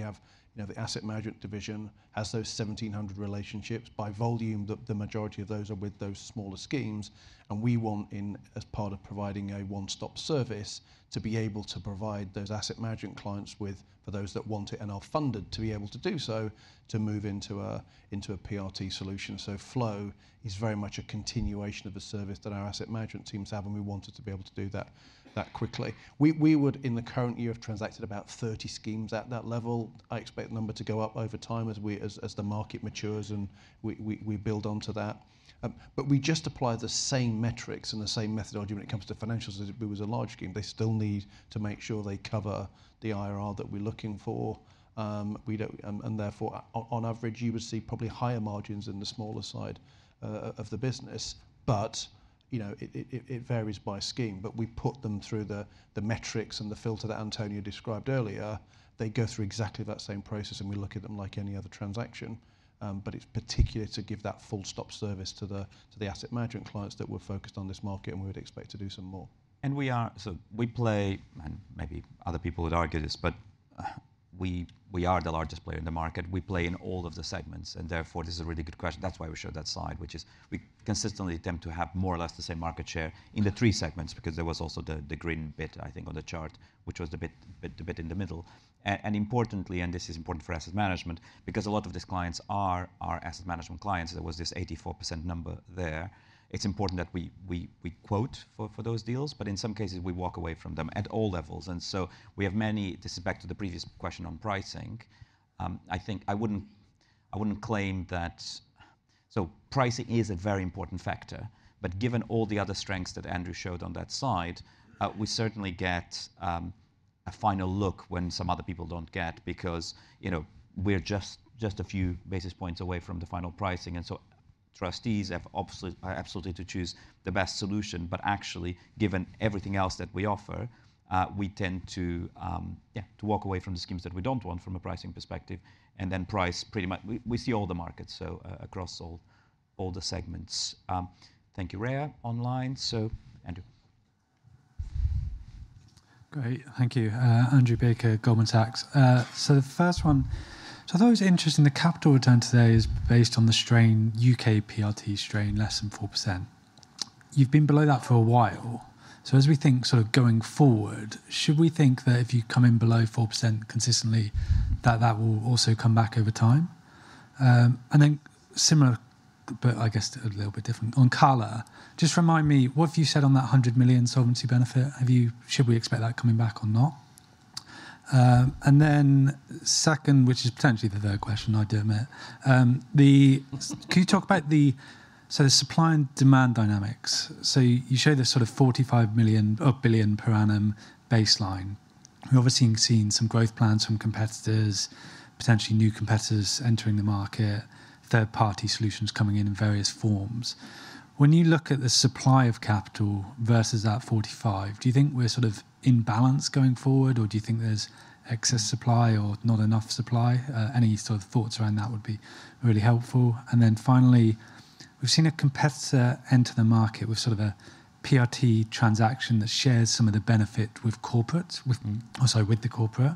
We have the asset management division has those 1,700 relationships. By volume, the majority of those are with those smaller schemes. And we want, as part of providing a one-stop service, to be able to provide those asset management clients for those that want it and are funded to be able to do so, to move into a PRT solution. So Flow is very much a continuation of the service that our asset management teams have. And we wanted to be able to do that quickly. We would, in the current year, have transacted about 30 schemes at that level. I expect the number to go up over time as the market matures and we build onto that. But we just apply the same metrics and the same methodology when it comes to financials. It was a large scheme. They still need to make sure they cover the IRR that we're looking for. Therefore, on average, you would see probably higher margins in the smaller side of the business. It varies by scheme. We put them through the metrics and the filter that Antonio described earlier. They go through exactly that same process. We look at them like any other transaction. It's particularly to give that full-stop service to the asset management clients that we're focused on this market, and we would expect to do some more. We are, so we play, and maybe other people would argue this, but we are the largest player in the market. We play in all of the segments. Therefore, this is a really good question. That's why we showed that slide, which is we consistently attempt to have more or less the same market share in the three segments because there was also the green bit, I think, on the chart, which was the bit in the middle. Importantly, this is important for asset management, because a lot of these clients are asset management clients. There was this 84% number there. It's important that we quote for those deals. In some cases, we walk away from them at all levels. We have many. This is back to the previous question on pricing. I think I wouldn't claim that, so pricing is a very important factor. But given all the other strengths that Andrew showed on that side, we certainly get a final look when some other people don't get because we're just a few basis points away from the final pricing. And so trustees have absolutely to choose the best solution. But actually, given everything else that we offer, we tend to walk away from the schemes that we don't want from a pricing perspective. And then price pretty much - we see all the markets, so across all the segments. Thank you, Reyer, online. So, Andrew. Great. Thank you. Andrew Baker, Goldman Sachs. So the first one, so I thought it was interesting. The capital return today is based on the strain, UK PRT strain, less than 4%. You've been below that for a while. So as we think sort of going forward, should we think that if you come in below 4% consistently, that that will also come back over time? And then similar, but I guess a little bit different. On CALA, just remind me, what have you said on that 100 million solvency benefit? Should we expect that coming back or not? And then second, which is potentially the third question, I do admit, can you talk about the supply and demand dynamics? So you show this sort of 45 million or billion per annum baseline. We've obviously seen some growth plans from competitors, potentially new competitors entering the market, third-party solutions coming in in various forms. When you look at the supply of capital versus that 45, do you think we're sort of in balance going forward, or do you think there's excess supply or not enough supply? Any sort of thoughts around that would be really helpful, and then finally, we've seen a competitor enter the market with sort of a PRT transaction that shares some of the benefit with corporates, or sorry, with the corporate.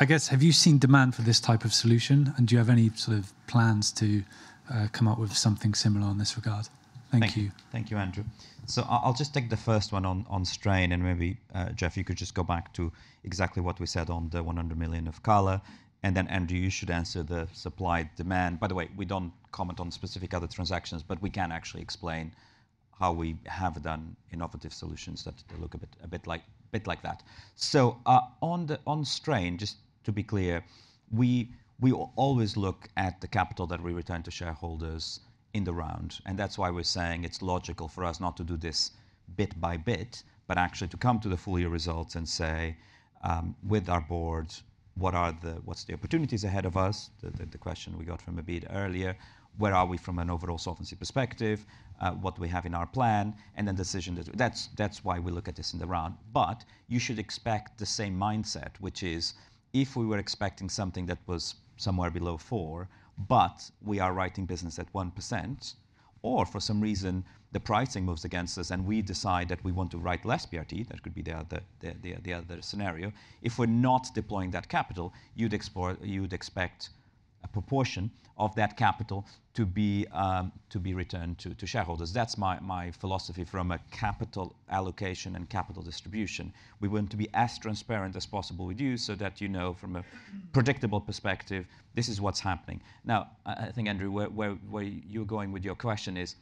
I guess, have you seen demand for this type of solution, and do you have any sort of plans to come up with something similar on this regard? Thank you. Thank you, Andrew, so I'll just take the first one on strain, and maybe, Jeff, you could just go back to exactly what we said on the 100 million of CALA. And then, Andrew, you should answer the supply-demand. By the way, we don't comment on specific other transactions, but we can actually explain how we have done innovative solutions that look a bit like that. So on strain, just to be clear, we always look at the capital that we return to shareholders in the round, and that's why we're saying it's logical for us not to do this bit by bit, but actually to come to the full year results and say, with our boards, what's the opportunities ahead of us. The question we got from Abid earlier, where are we from an overall solvency perspective, what do we have in our plan? And then decision. That's why we look at this in the round. But you should expect the same mindset, which is if we were expecting something that was somewhere below four, but we are writing business at 1%, or for some reason, the pricing moves against us and we decide that we want to write less PRT, that could be the other scenario, if we're not deploying that capital, you'd expect a proportion of that capital to be returned to shareholders. That's my philosophy from a capital allocation and capital distribution. We want to be as transparent as possible with you so that you know from a predictable perspective, this is what's happening. Now, I think, Andrew, where you're going with your question is,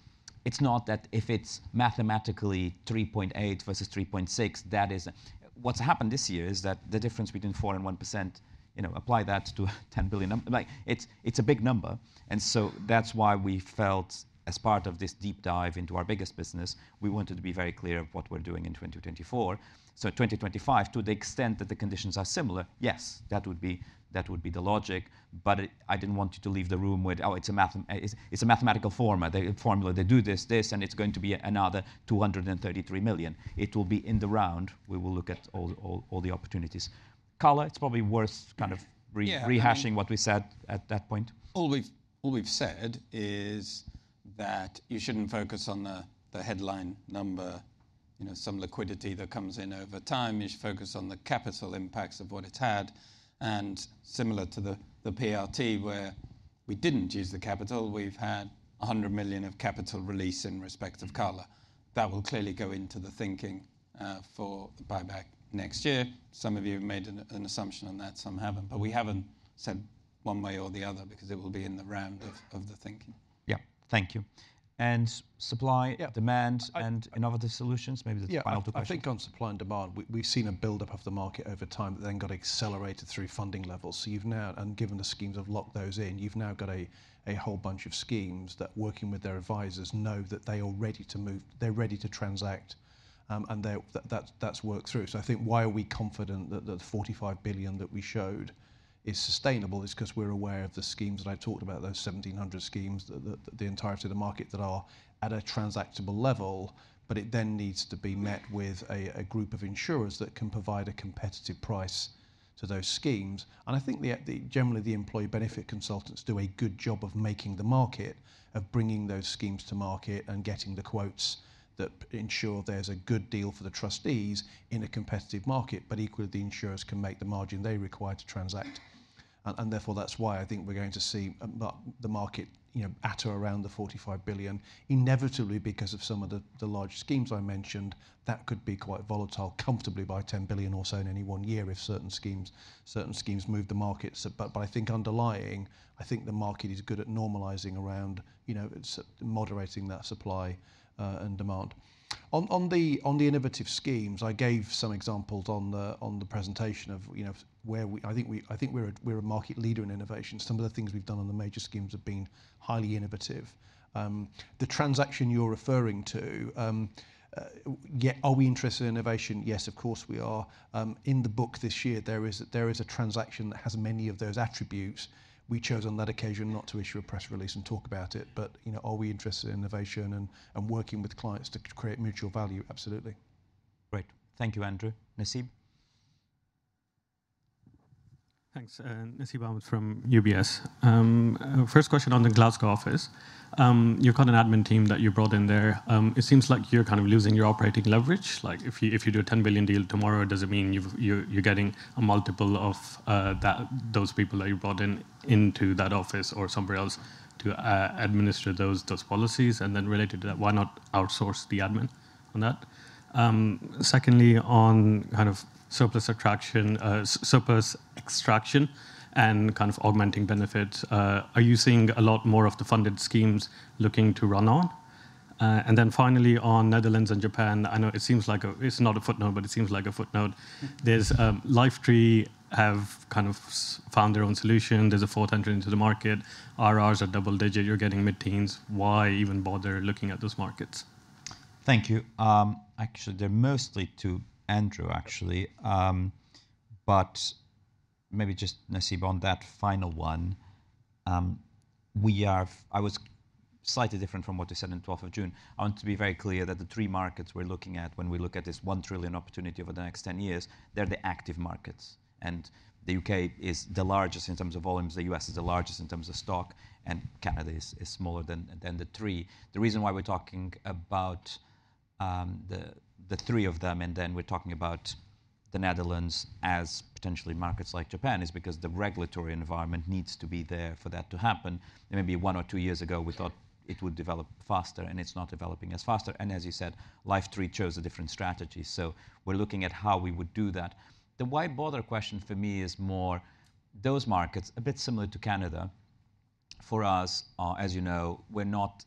it's not that if it's mathematically 3.8 versus 3.6, that is what's happened this year is that the difference between four and 1%, apply that to 10 billion. It's a big number. And so that's why we felt, as part of this deep dive into our biggest business, we wanted to be very clear of what we're doing in 2024. So 2025, to the extent that the conditions are similar, yes, that would be the logic. But I didn't want you to leave the room with, oh, it's a mathematical formula. They do this, this, and it's going to be another 233 million. It will be in the round. We will look at all the opportunities. Cala, it's probably worth kind of rehashing what we said at that point. All we've said is that you shouldn't focus on the headline number, some liquidity that comes in over time. You should focus on the capital impacts of what it's had. And similar to the PRT, where we didn't use the capital, we've had 100 million of capital release in respect of CALA. That will clearly go into the thinking for buyback next year. Some of you have made an assumption on that, some haven't. But we haven't said one way or the other because it will be in the round of the thinking. Yeah. Thank you, and supply, demand, and innovative solutions, maybe that's the final question. Yeah. I think on supply and demand, we've seen a buildup of the market over time that then got accelerated through funding levels. And given the schemes have locked those in, you've now got a whole bunch of schemes that, working with their advisors, know that they are ready to move, they're ready to transact, and that's worked through. So I think why are we confident that the 45 billion that we showed is sustainable is because we're aware of the schemes that I talked about, those 1,700 schemes, the entirety of the market that are at a transactable level. But it then needs to be met with a group of insurers that can provide a competitive price to those schemes. I think generally, the employee benefit consultants do a good job of making the market, of bringing those schemes to market and getting the quotes that ensure there's a good deal for the trustees in a competitive market. But equally, the insurers can make the margin they require to transact. And therefore, that's why I think we're going to see the market at or around the £45 billion, inevitably because of some of the large schemes I mentioned. That could be quite volatile, comfortably by £10 billion or so in any one year if certain schemes move the market. But I think underlying, I think the market is good at normalizing around moderating that supply and demand. On the innovative schemes, I gave some examples on the presentation of where I think we're a market leader in innovation. Some of the things we've done on the major schemes have been highly innovative. The transaction you're referring to, are we interested in innovation? Yes, of course we are. In the book this year, there is a transaction that has many of those attributes. We chose on that occasion not to issue a press release and talk about it. But are we interested in innovation and working with clients to create mutual value? Absolutely. Great. Thank you, Andrew. Nasib? Thanks. Nasib Ahmed from UBS. First question on the Glasgow office. You've got an admin team that you brought in there. It seems like you're kind of losing your operating leverage. If you do a £10 billion deal tomorrow, does it mean you're getting a multiple of those people that you brought in into that office or somewhere else to administer those policies? And then related to that, why not outsource the admin on that? Secondly, on kind of surplus extraction and kind of augmenting benefits, are you seeing a lot more of the funded schemes looking to run on? And then finally, on Netherlands and Japan, I know it seems like it's not a footnote, but it seems like a footnote. Lifetri have kind of found their own solution. There's a four hundred into the market. IRRs are double-digit. You're getting mid-teens. Why even bother looking at those markets? Thank you. Actually, they're mostly to Andrew, actually. But maybe just, Nasib, on that final one. I was slightly different from what you said on 12th of June. I want to be very clear that the three markets we're looking at when we look at this 1 trillion opportunity over the next 10 years, they're the active markets. And the U.K. is the largest in terms of volumes. The U.S. is the largest in terms of stock. And Canada is smaller than the three. The reason why we're talking about the three of them, and then we're talking about the Netherlands as potentially markets like Japan, is because the regulatory environment needs to be there for that to happen. Maybe one or two years ago, we thought it would develop faster, and it's not developing as faster. And as you said, Lifetri chose a different strategy. So we're looking at how we would do that. The why bother question for me is more those markets, a bit similar to Canada. For us, as you know, we're not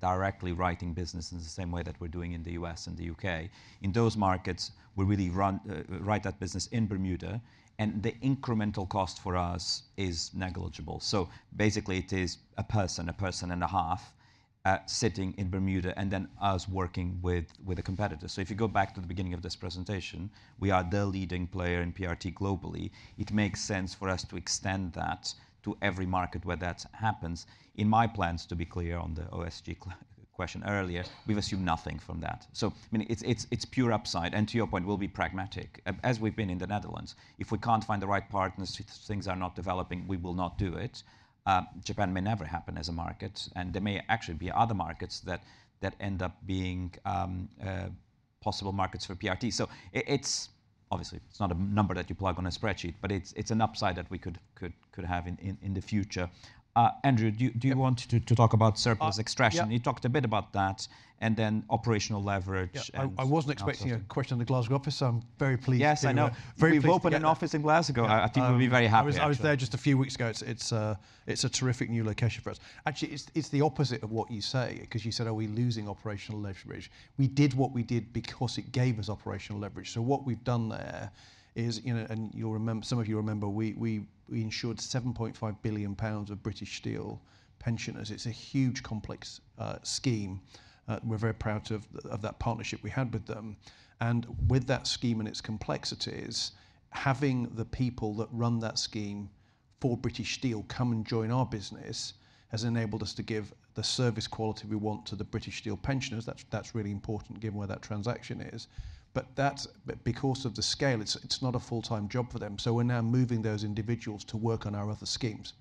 directly writing business in the same way that we're doing in the U.S. and the U.K. In those markets, we really write that business in Bermuda. And the incremental cost for us is negligible. So basically, it is a person, a person and a half, sitting in Bermuda and then us working with a competitor. So if you go back to the beginning of this presentation, we are the leading player in PRT globally. It makes sense for us to extend that to every market where that happens. In my plans, to be clear on the OSG question earlier, we've assumed nothing from that. So it's pure upside. And to your point, we'll be pragmatic. As we've been in the Netherlands, if we can't find the right partners, if things are not developing, we will not do it. Japan may never happen as a market, and there may actually be other markets that end up being possible markets for PRT, so obviously it's not a number that you plug on a spreadsheet, but it's an upside that we could have in the future. Andrew, do you want to talk about surplus extraction? You talked a bit about that and then operational leverage. I wasn't expecting a question on the Glasgow office. So I'm very pleased that you're very pleased to be opening an office in Glasgow. I think we'll be very happy. I was there just a few weeks ago. It's a terrific new location for us. Actually, it's the opposite of what you say because you said, are we losing operational leverage? We did what we did because it gave us operational leverage. So what we've done there is, and some of you remember, we insured 7.5 billion pounds of British Steel pensioners. It's a huge complex scheme. We're very proud of that partnership we had with them, and with that scheme and its complexities, having the people that run that scheme for British Steel come and join our business has enabled us to give the service quality we want to the British Steel pensioners. That's really important given where that transaction is, but because of the scale, it's not a full-time job for them, so we're now moving those individuals to work on our other schemes.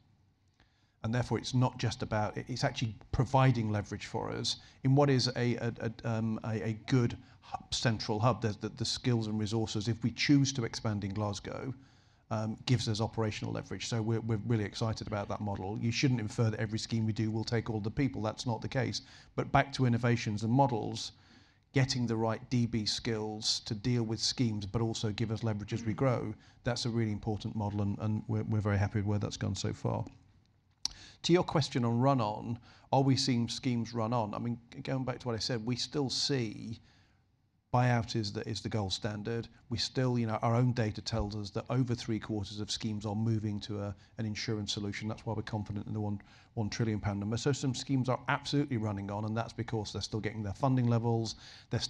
And therefore, it's not just about it's actually providing leverage for us in what is a good central hub. The skills and resources, if we choose to expand in Glasgow, gives us operational leverage. So we're really excited about that model. You shouldn't infer that every scheme we do will take all the people. That's not the case. But back to innovations and models, getting the right DB skills to deal with schemes, but also give us leverage as we grow, that's a really important model. And we're very happy with where that's gone so far. To your question on run-on, are we seeing schemes run on? I mean, going back to what I said, we still see buyout is the gold standard. Our own data tells us that over three quarters of schemes are moving to an insurance solution. That's why we're confident in the 1 trillion pound number. So some schemes are absolutely running on. And that's because they're still getting their funding levels. They're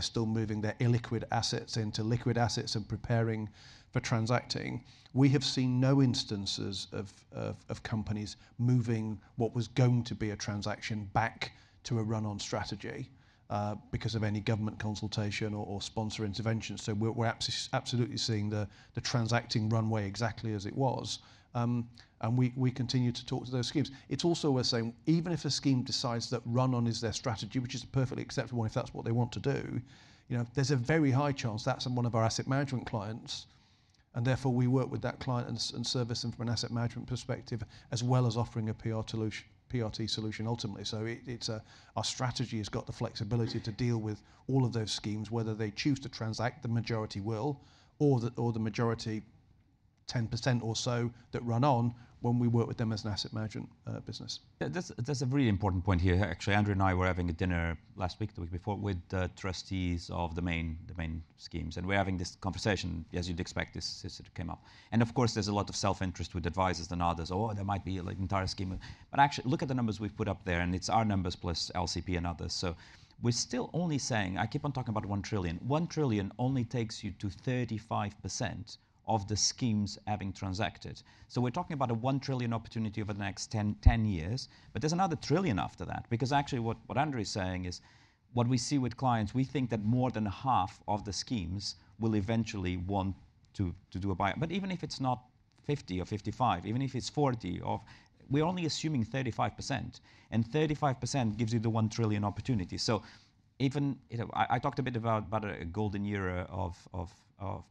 still moving their illiquid assets into liquid assets and preparing for transacting. We have seen no instances of companies moving what was going to be a transaction back to a run-on strategy because of any government consultation or sponsor intervention. So we're absolutely seeing the transacting runway exactly as it was. And we continue to talk to those schemes. It's also worth saying, even if a scheme decides that run-on is their strategy, which is perfectly acceptable if that's what they want to do, there's a very high chance that's one of our asset management clients. And therefore, we work with that client and service them from an asset management perspective as well as offering a PRT solution ultimately. So our strategy has got the flexibility to deal with all of those schemes, whether they choose to transact, the majority will, or the majority 10% or so that run on when we work with them as an asset management business. That's a really important point here, actually. Andrew and I were having a dinner last week, the week before, with the trustees of the main schemes. And we're having this conversation, as you'd expect, this sort of came up. And of course, there's a lot of self-interest with advisors and others, or there might be an entire scheme. But actually, look at the numbers we've put up there. And it's our numbers plus LCP and others. So we're still only saying, I keep on talking about £1 trillion. £1 trillion only takes you to 35% of the schemes having transacted. So we're talking about a £1 trillion opportunity over the next 10 years. But there's another trillion after that. Because actually, what Andrew is saying is, what we see with clients, we think that more than half of the schemes will eventually want to do a buyout. But even if it's not 50 or 55, even if it's 40, we're only assuming 35%. And 35% gives you the £1 trillion opportunity. So I talked a bit about a golden year of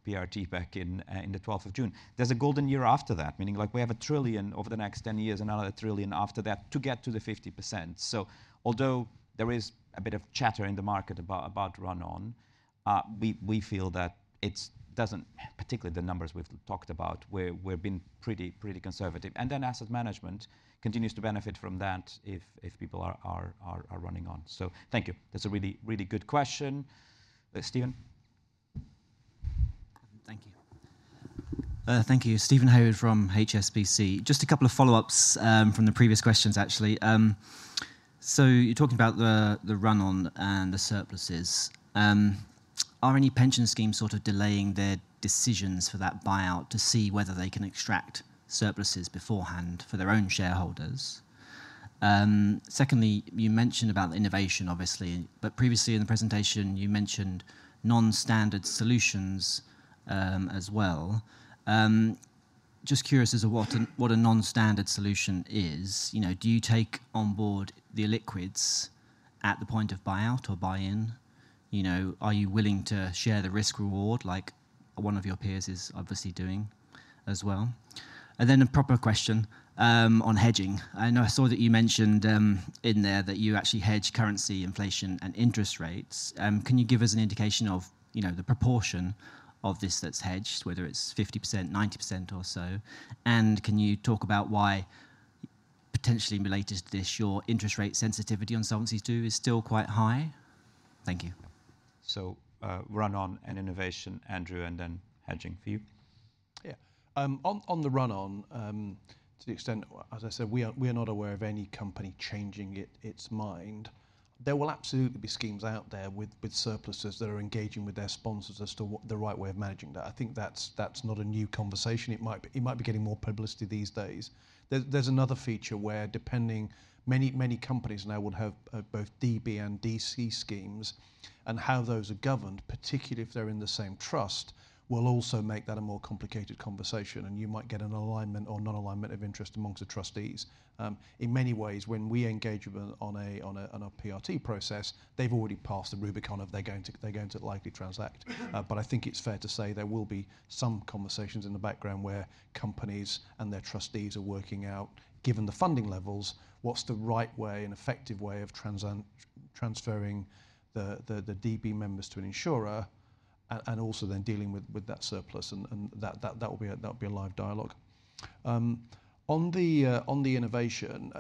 PRT back in the 12th of June. There's a golden year after that, meaning we have a £1 trillion over the next 10 years and another £1 trillion after that to get to the 50%. So although there is a bit of chatter in the market about run-on, we feel that it doesn't, particularly the numbers we've talked about, we've been pretty conservative. And then asset management continues to benefit from that if people are running on. So thank you. That's a really good question. Stephen? Thank you. Thank you. Steven Haywood from HSBC. Just a couple of follow-ups from the previous questions, actually. So you're talking about the run-on and the surpluses. Are any pension schemes sort of delaying their decisions for that buyout to see whether they can extract surpluses beforehand for their own shareholders? Secondly, you mentioned about the innovation, obviously. But previously in the presentation, you mentioned non-standard solutions as well. Just curious as to what a non-standard solution is. Do you take on board the illiquids at the point of buyout or buy-in? Are you willing to share the risk-reward like one of your peers is obviously doing as well? And then a proper question on hedging. I know I saw that you mentioned in there that you actually hedge currency, inflation, and interest rates. Can you give us an indication of the proportion of this that's hedged, whether it's 50%, 90%, or so? And can you talk about why, potentially related to this, your interest rate sensitivity on some of these two is still quite high? Thank you. So, R&D and innovation, Andrew, and then hedging for you. Yeah. On the run-up, to the extent, as I said, we are not aware of any company changing its mind. There will absolutely be schemes out there with surpluses that are engaging with their sponsors as to the right way of managing that. I think that's not a new conversation. It might be getting more publicity these days. There's another feature where many companies now would have both DB and DC schemes and how those are governed, particularly if they're in the same trust, will also make that a more complicated conversation. You might get an alignment or non-alignment of interest among the trustees. In many ways, when we engage on a PRT process, they've already passed the Rubicon. They're going to likely transact. But I think it's fair to say there will be some conversations in the background where companies and their trustees are working out, given the funding levels, what's the right way and effective way of transferring the DB members to an insurer and also then dealing with that surplus. And that will be a live dialogue. On the innovation,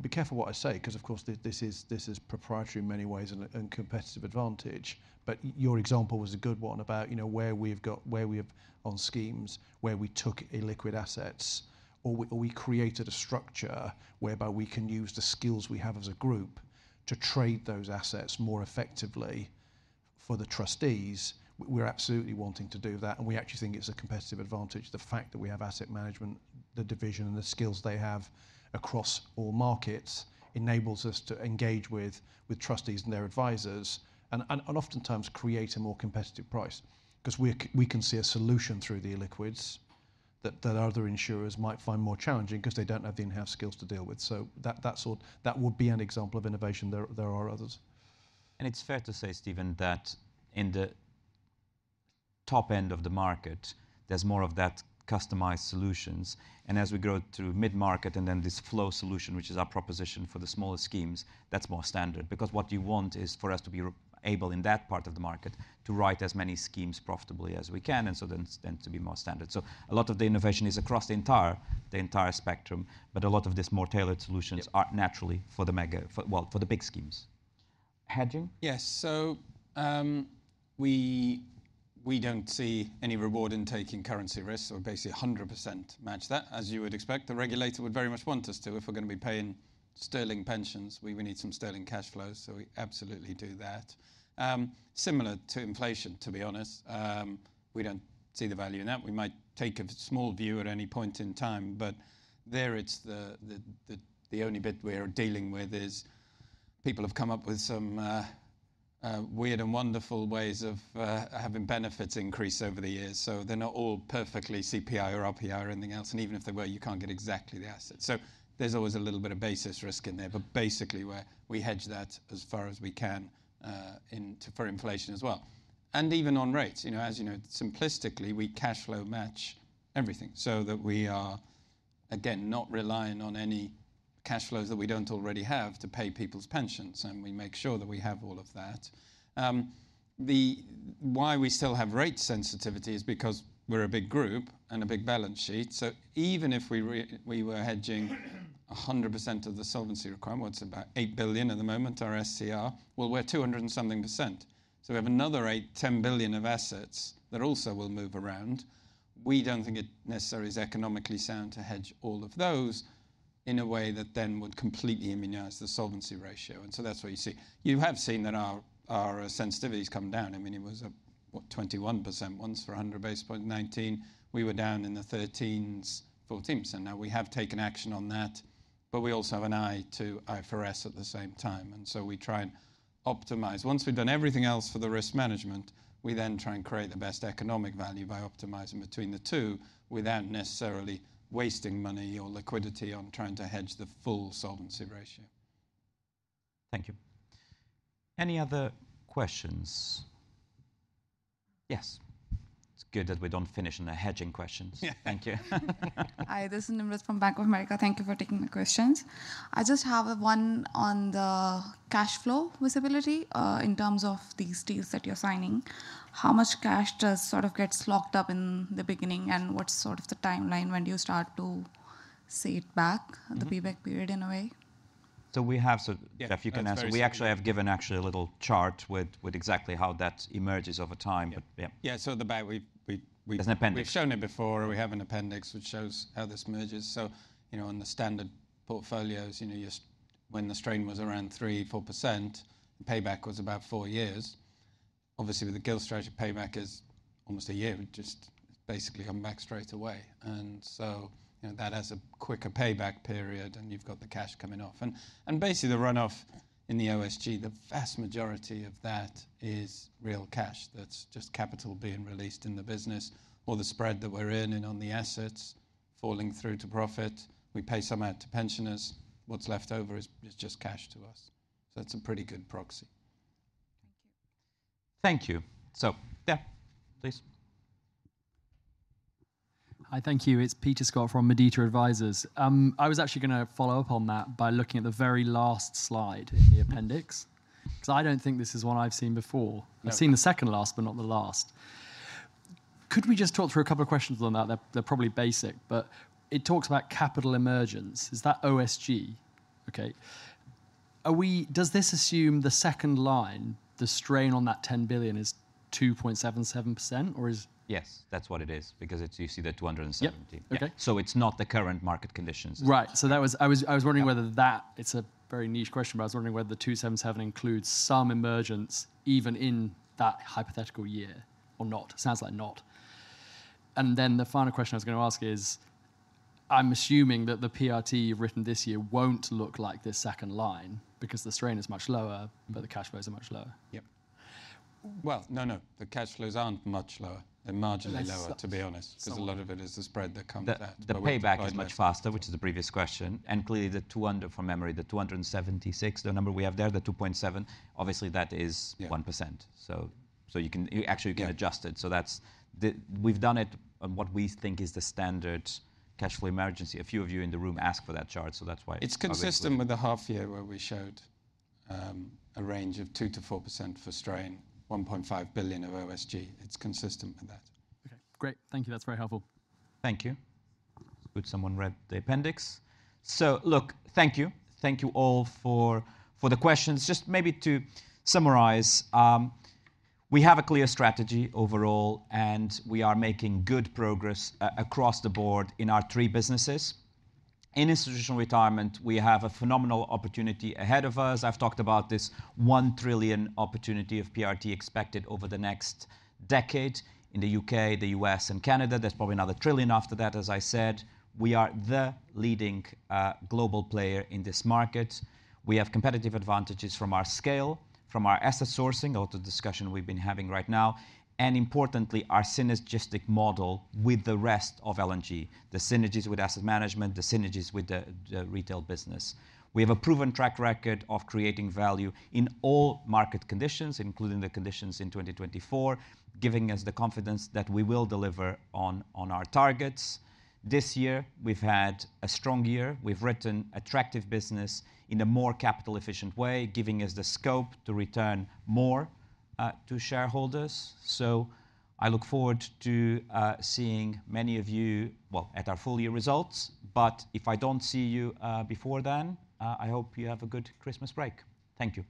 be careful what I say because, of course, this is proprietary in many ways and competitive advantage. But your example was a good one about where we have on schemes, where we took illiquid assets, or we created a structure whereby we can use the skills we have as a group to trade those assets more effectively for the trustees. We're absolutely wanting to do that. And we actually think it's a competitive advantage. The fact that we have asset management, the division, and the skills they have across all markets enables us to engage with trustees and their advisors and oftentimes create a more competitive price. Because we can see a solution through the illiquids that other insurers might find more challenging because they don't have the in-house skills to deal with. So that would be an example of innovation. There are others. It's fair to say, Stephen, that in the top end of the market, there's more of that customized solutions. As we grow through mid-market and then this flow solution, which is our proposition for the smaller schemes, that's more standard. Because what you want is for us to be able in that part of the market to write as many schemes profitably as we can and so then to be more standard. A lot of the innovation is across the entire spectrum. A lot of these more tailored solutions are naturally for the big schemes. Hedging? Yes. So we don't see any reward in taking currency risk. So we basically 100% match that, as you would expect. The regulator would very much want us to. If we're going to be paying sterling pensions, we need some sterling cash flows. So we absolutely do that. Similar to inflation, to be honest. We don't see the value in that. We might take a small view at any point in time. But there, it's the only bit we are dealing with is people have come up with some weird and wonderful ways of having benefits increase over the years. So they're not all perfectly CPI or RPI or anything else. And even if they were, you can't get exactly the asset. So there's always a little bit of basis risk in there. But basically, we hedge that as far as we can for inflation as well. And even on rates. As you know, simplistically, we cash flow match everything so that we are, again, not relying on any cash flows that we don't already have to pay people's pensions. And we make sure that we have all of that. Why we still have rate sensitivity is because we're a big group and a big balance sheet. So even if we were hedging 100% of the solvency requirement, what's about $8 billion at the moment, our SCR, well, we're 200-something%. So we have another $10 billion of assets that also will move around. We don't think it necessarily is economically sound to hedge all of those in a way that then would completely immunize the solvency ratio. And so that's what you see. You have seen that our sensitivity has come down. I mean, it was, what, 21% once for 100 basis points in 2019. We were down in the 13%-14%. Now, we have taken action on that. But we also have an eye to IFRS at the same time. And so we try and optimize. Once we've done everything else for the risk management, we then try and create the best economic value by optimizing between the two without necessarily wasting money or liquidity on trying to hedge the full solvency ratio. Thank you. Any other questions? Yes. It's good that we don't finish on the hedging questions. Thank you. Hi. This is Nimesh from Bank of America. Thank you for taking the questions. I just have one on the cash flow visibility in terms of these deals that you're signing. How much cash does sort of get slogged up in the beginning? And what's sort of the timeline when you start to see it back, the payback period in a way? So, Jeff, you can answer. We actually have given a little chart with exactly how that emerges over time. Yeah. Yeah. So the bank we've shown it before. We have an appendix which shows how this merges. So on the standard portfolios, when the strain was around 3%, 4%, payback was about four years. Obviously, with the gilt strategy, payback is almost a year, just basically come back straight away. And so that has a quicker payback period. And you've got the cash coming off. And basically, the run-off in the OSG, the vast majority of that is real cash. That's just capital being released in the business or the spread that we're in and on the assets falling through to profit. We pay some out to pensioners. What's left over is just cash to us. So that's a pretty good proxy. Thank you. Thank you. So yeah, please. Hi. Thank you. It's Peter Scott from Mediobanca. I was actually going to follow up on that by looking at the very last slide in the appendix. Because I don't think this is one I've seen before. I've seen the second last, but not the last. Could we just talk through a couple of questions on that? They're probably basic. But it talks about capital emergence. Is that OSG? Okay. Does this assume the second line, the strain on that $10 billion is 2.77%? Or is. Yes. That's what it is. Because you see the 270. So it's not the current market conditions. Right. So I was wondering whether that, it's a very niche question, but I was wondering whether the 277 includes some emergence even in that hypothetical year or not. Sounds like not. And then the final question I was going to ask is, I'm assuming that the PRT you've written this year won't look like this second line because the strain is much lower, but the cash flows are much lower. Yep. Well, no, no. The cash flows aren't much lower. They're marginally lower, to be honest. Because a lot of it is the spread that comes out. The payback is much faster, which is the previous question, and clearly, the 200 from memory, the 276, the number we have there, the 2.7, obviously, that is 1%. So actually, you can adjust it, so we've done it on what we think is the standard cash flow scenario. A few of you in the room asked for that chart, so that's why. It's consistent with the half year where we showed a range of 2%-4% for strain, 1.5 billion of OSG. It's consistent with that. Okay. Great. Thank you. That's very helpful. Thank you. It's good someone read the appendix. So look, thank you. Thank you all for the questions. Just maybe to summarize, we have a clear strategy overall, and we are making good progress across the board in our three businesses. In institutional retirement, we have a phenomenal opportunity ahead of us. I've talked about this $1 trillion opportunity of PRT expected over the next decade in the U.K., the U.S., and Canada. There's probably another trillion after that, as I said. We are the leading global player in this market. We have competitive advantages from our scale, from our asset sourcing, all the discussion we've been having right now, and importantly, our synergistic model with the rest of L&G, the synergies with asset management, the synergies with the retail business. We have a proven track record of creating value in all market conditions, including the conditions in 2024, giving us the confidence that we will deliver on our targets. This year, we've had a strong year. We've written attractive business in a more capital-efficient way, giving us the scope to return more to shareholders. So I look forward to seeing many of you, well, at our full year results. But if I don't see you before then, I hope you have a good Christmas break. Thank you.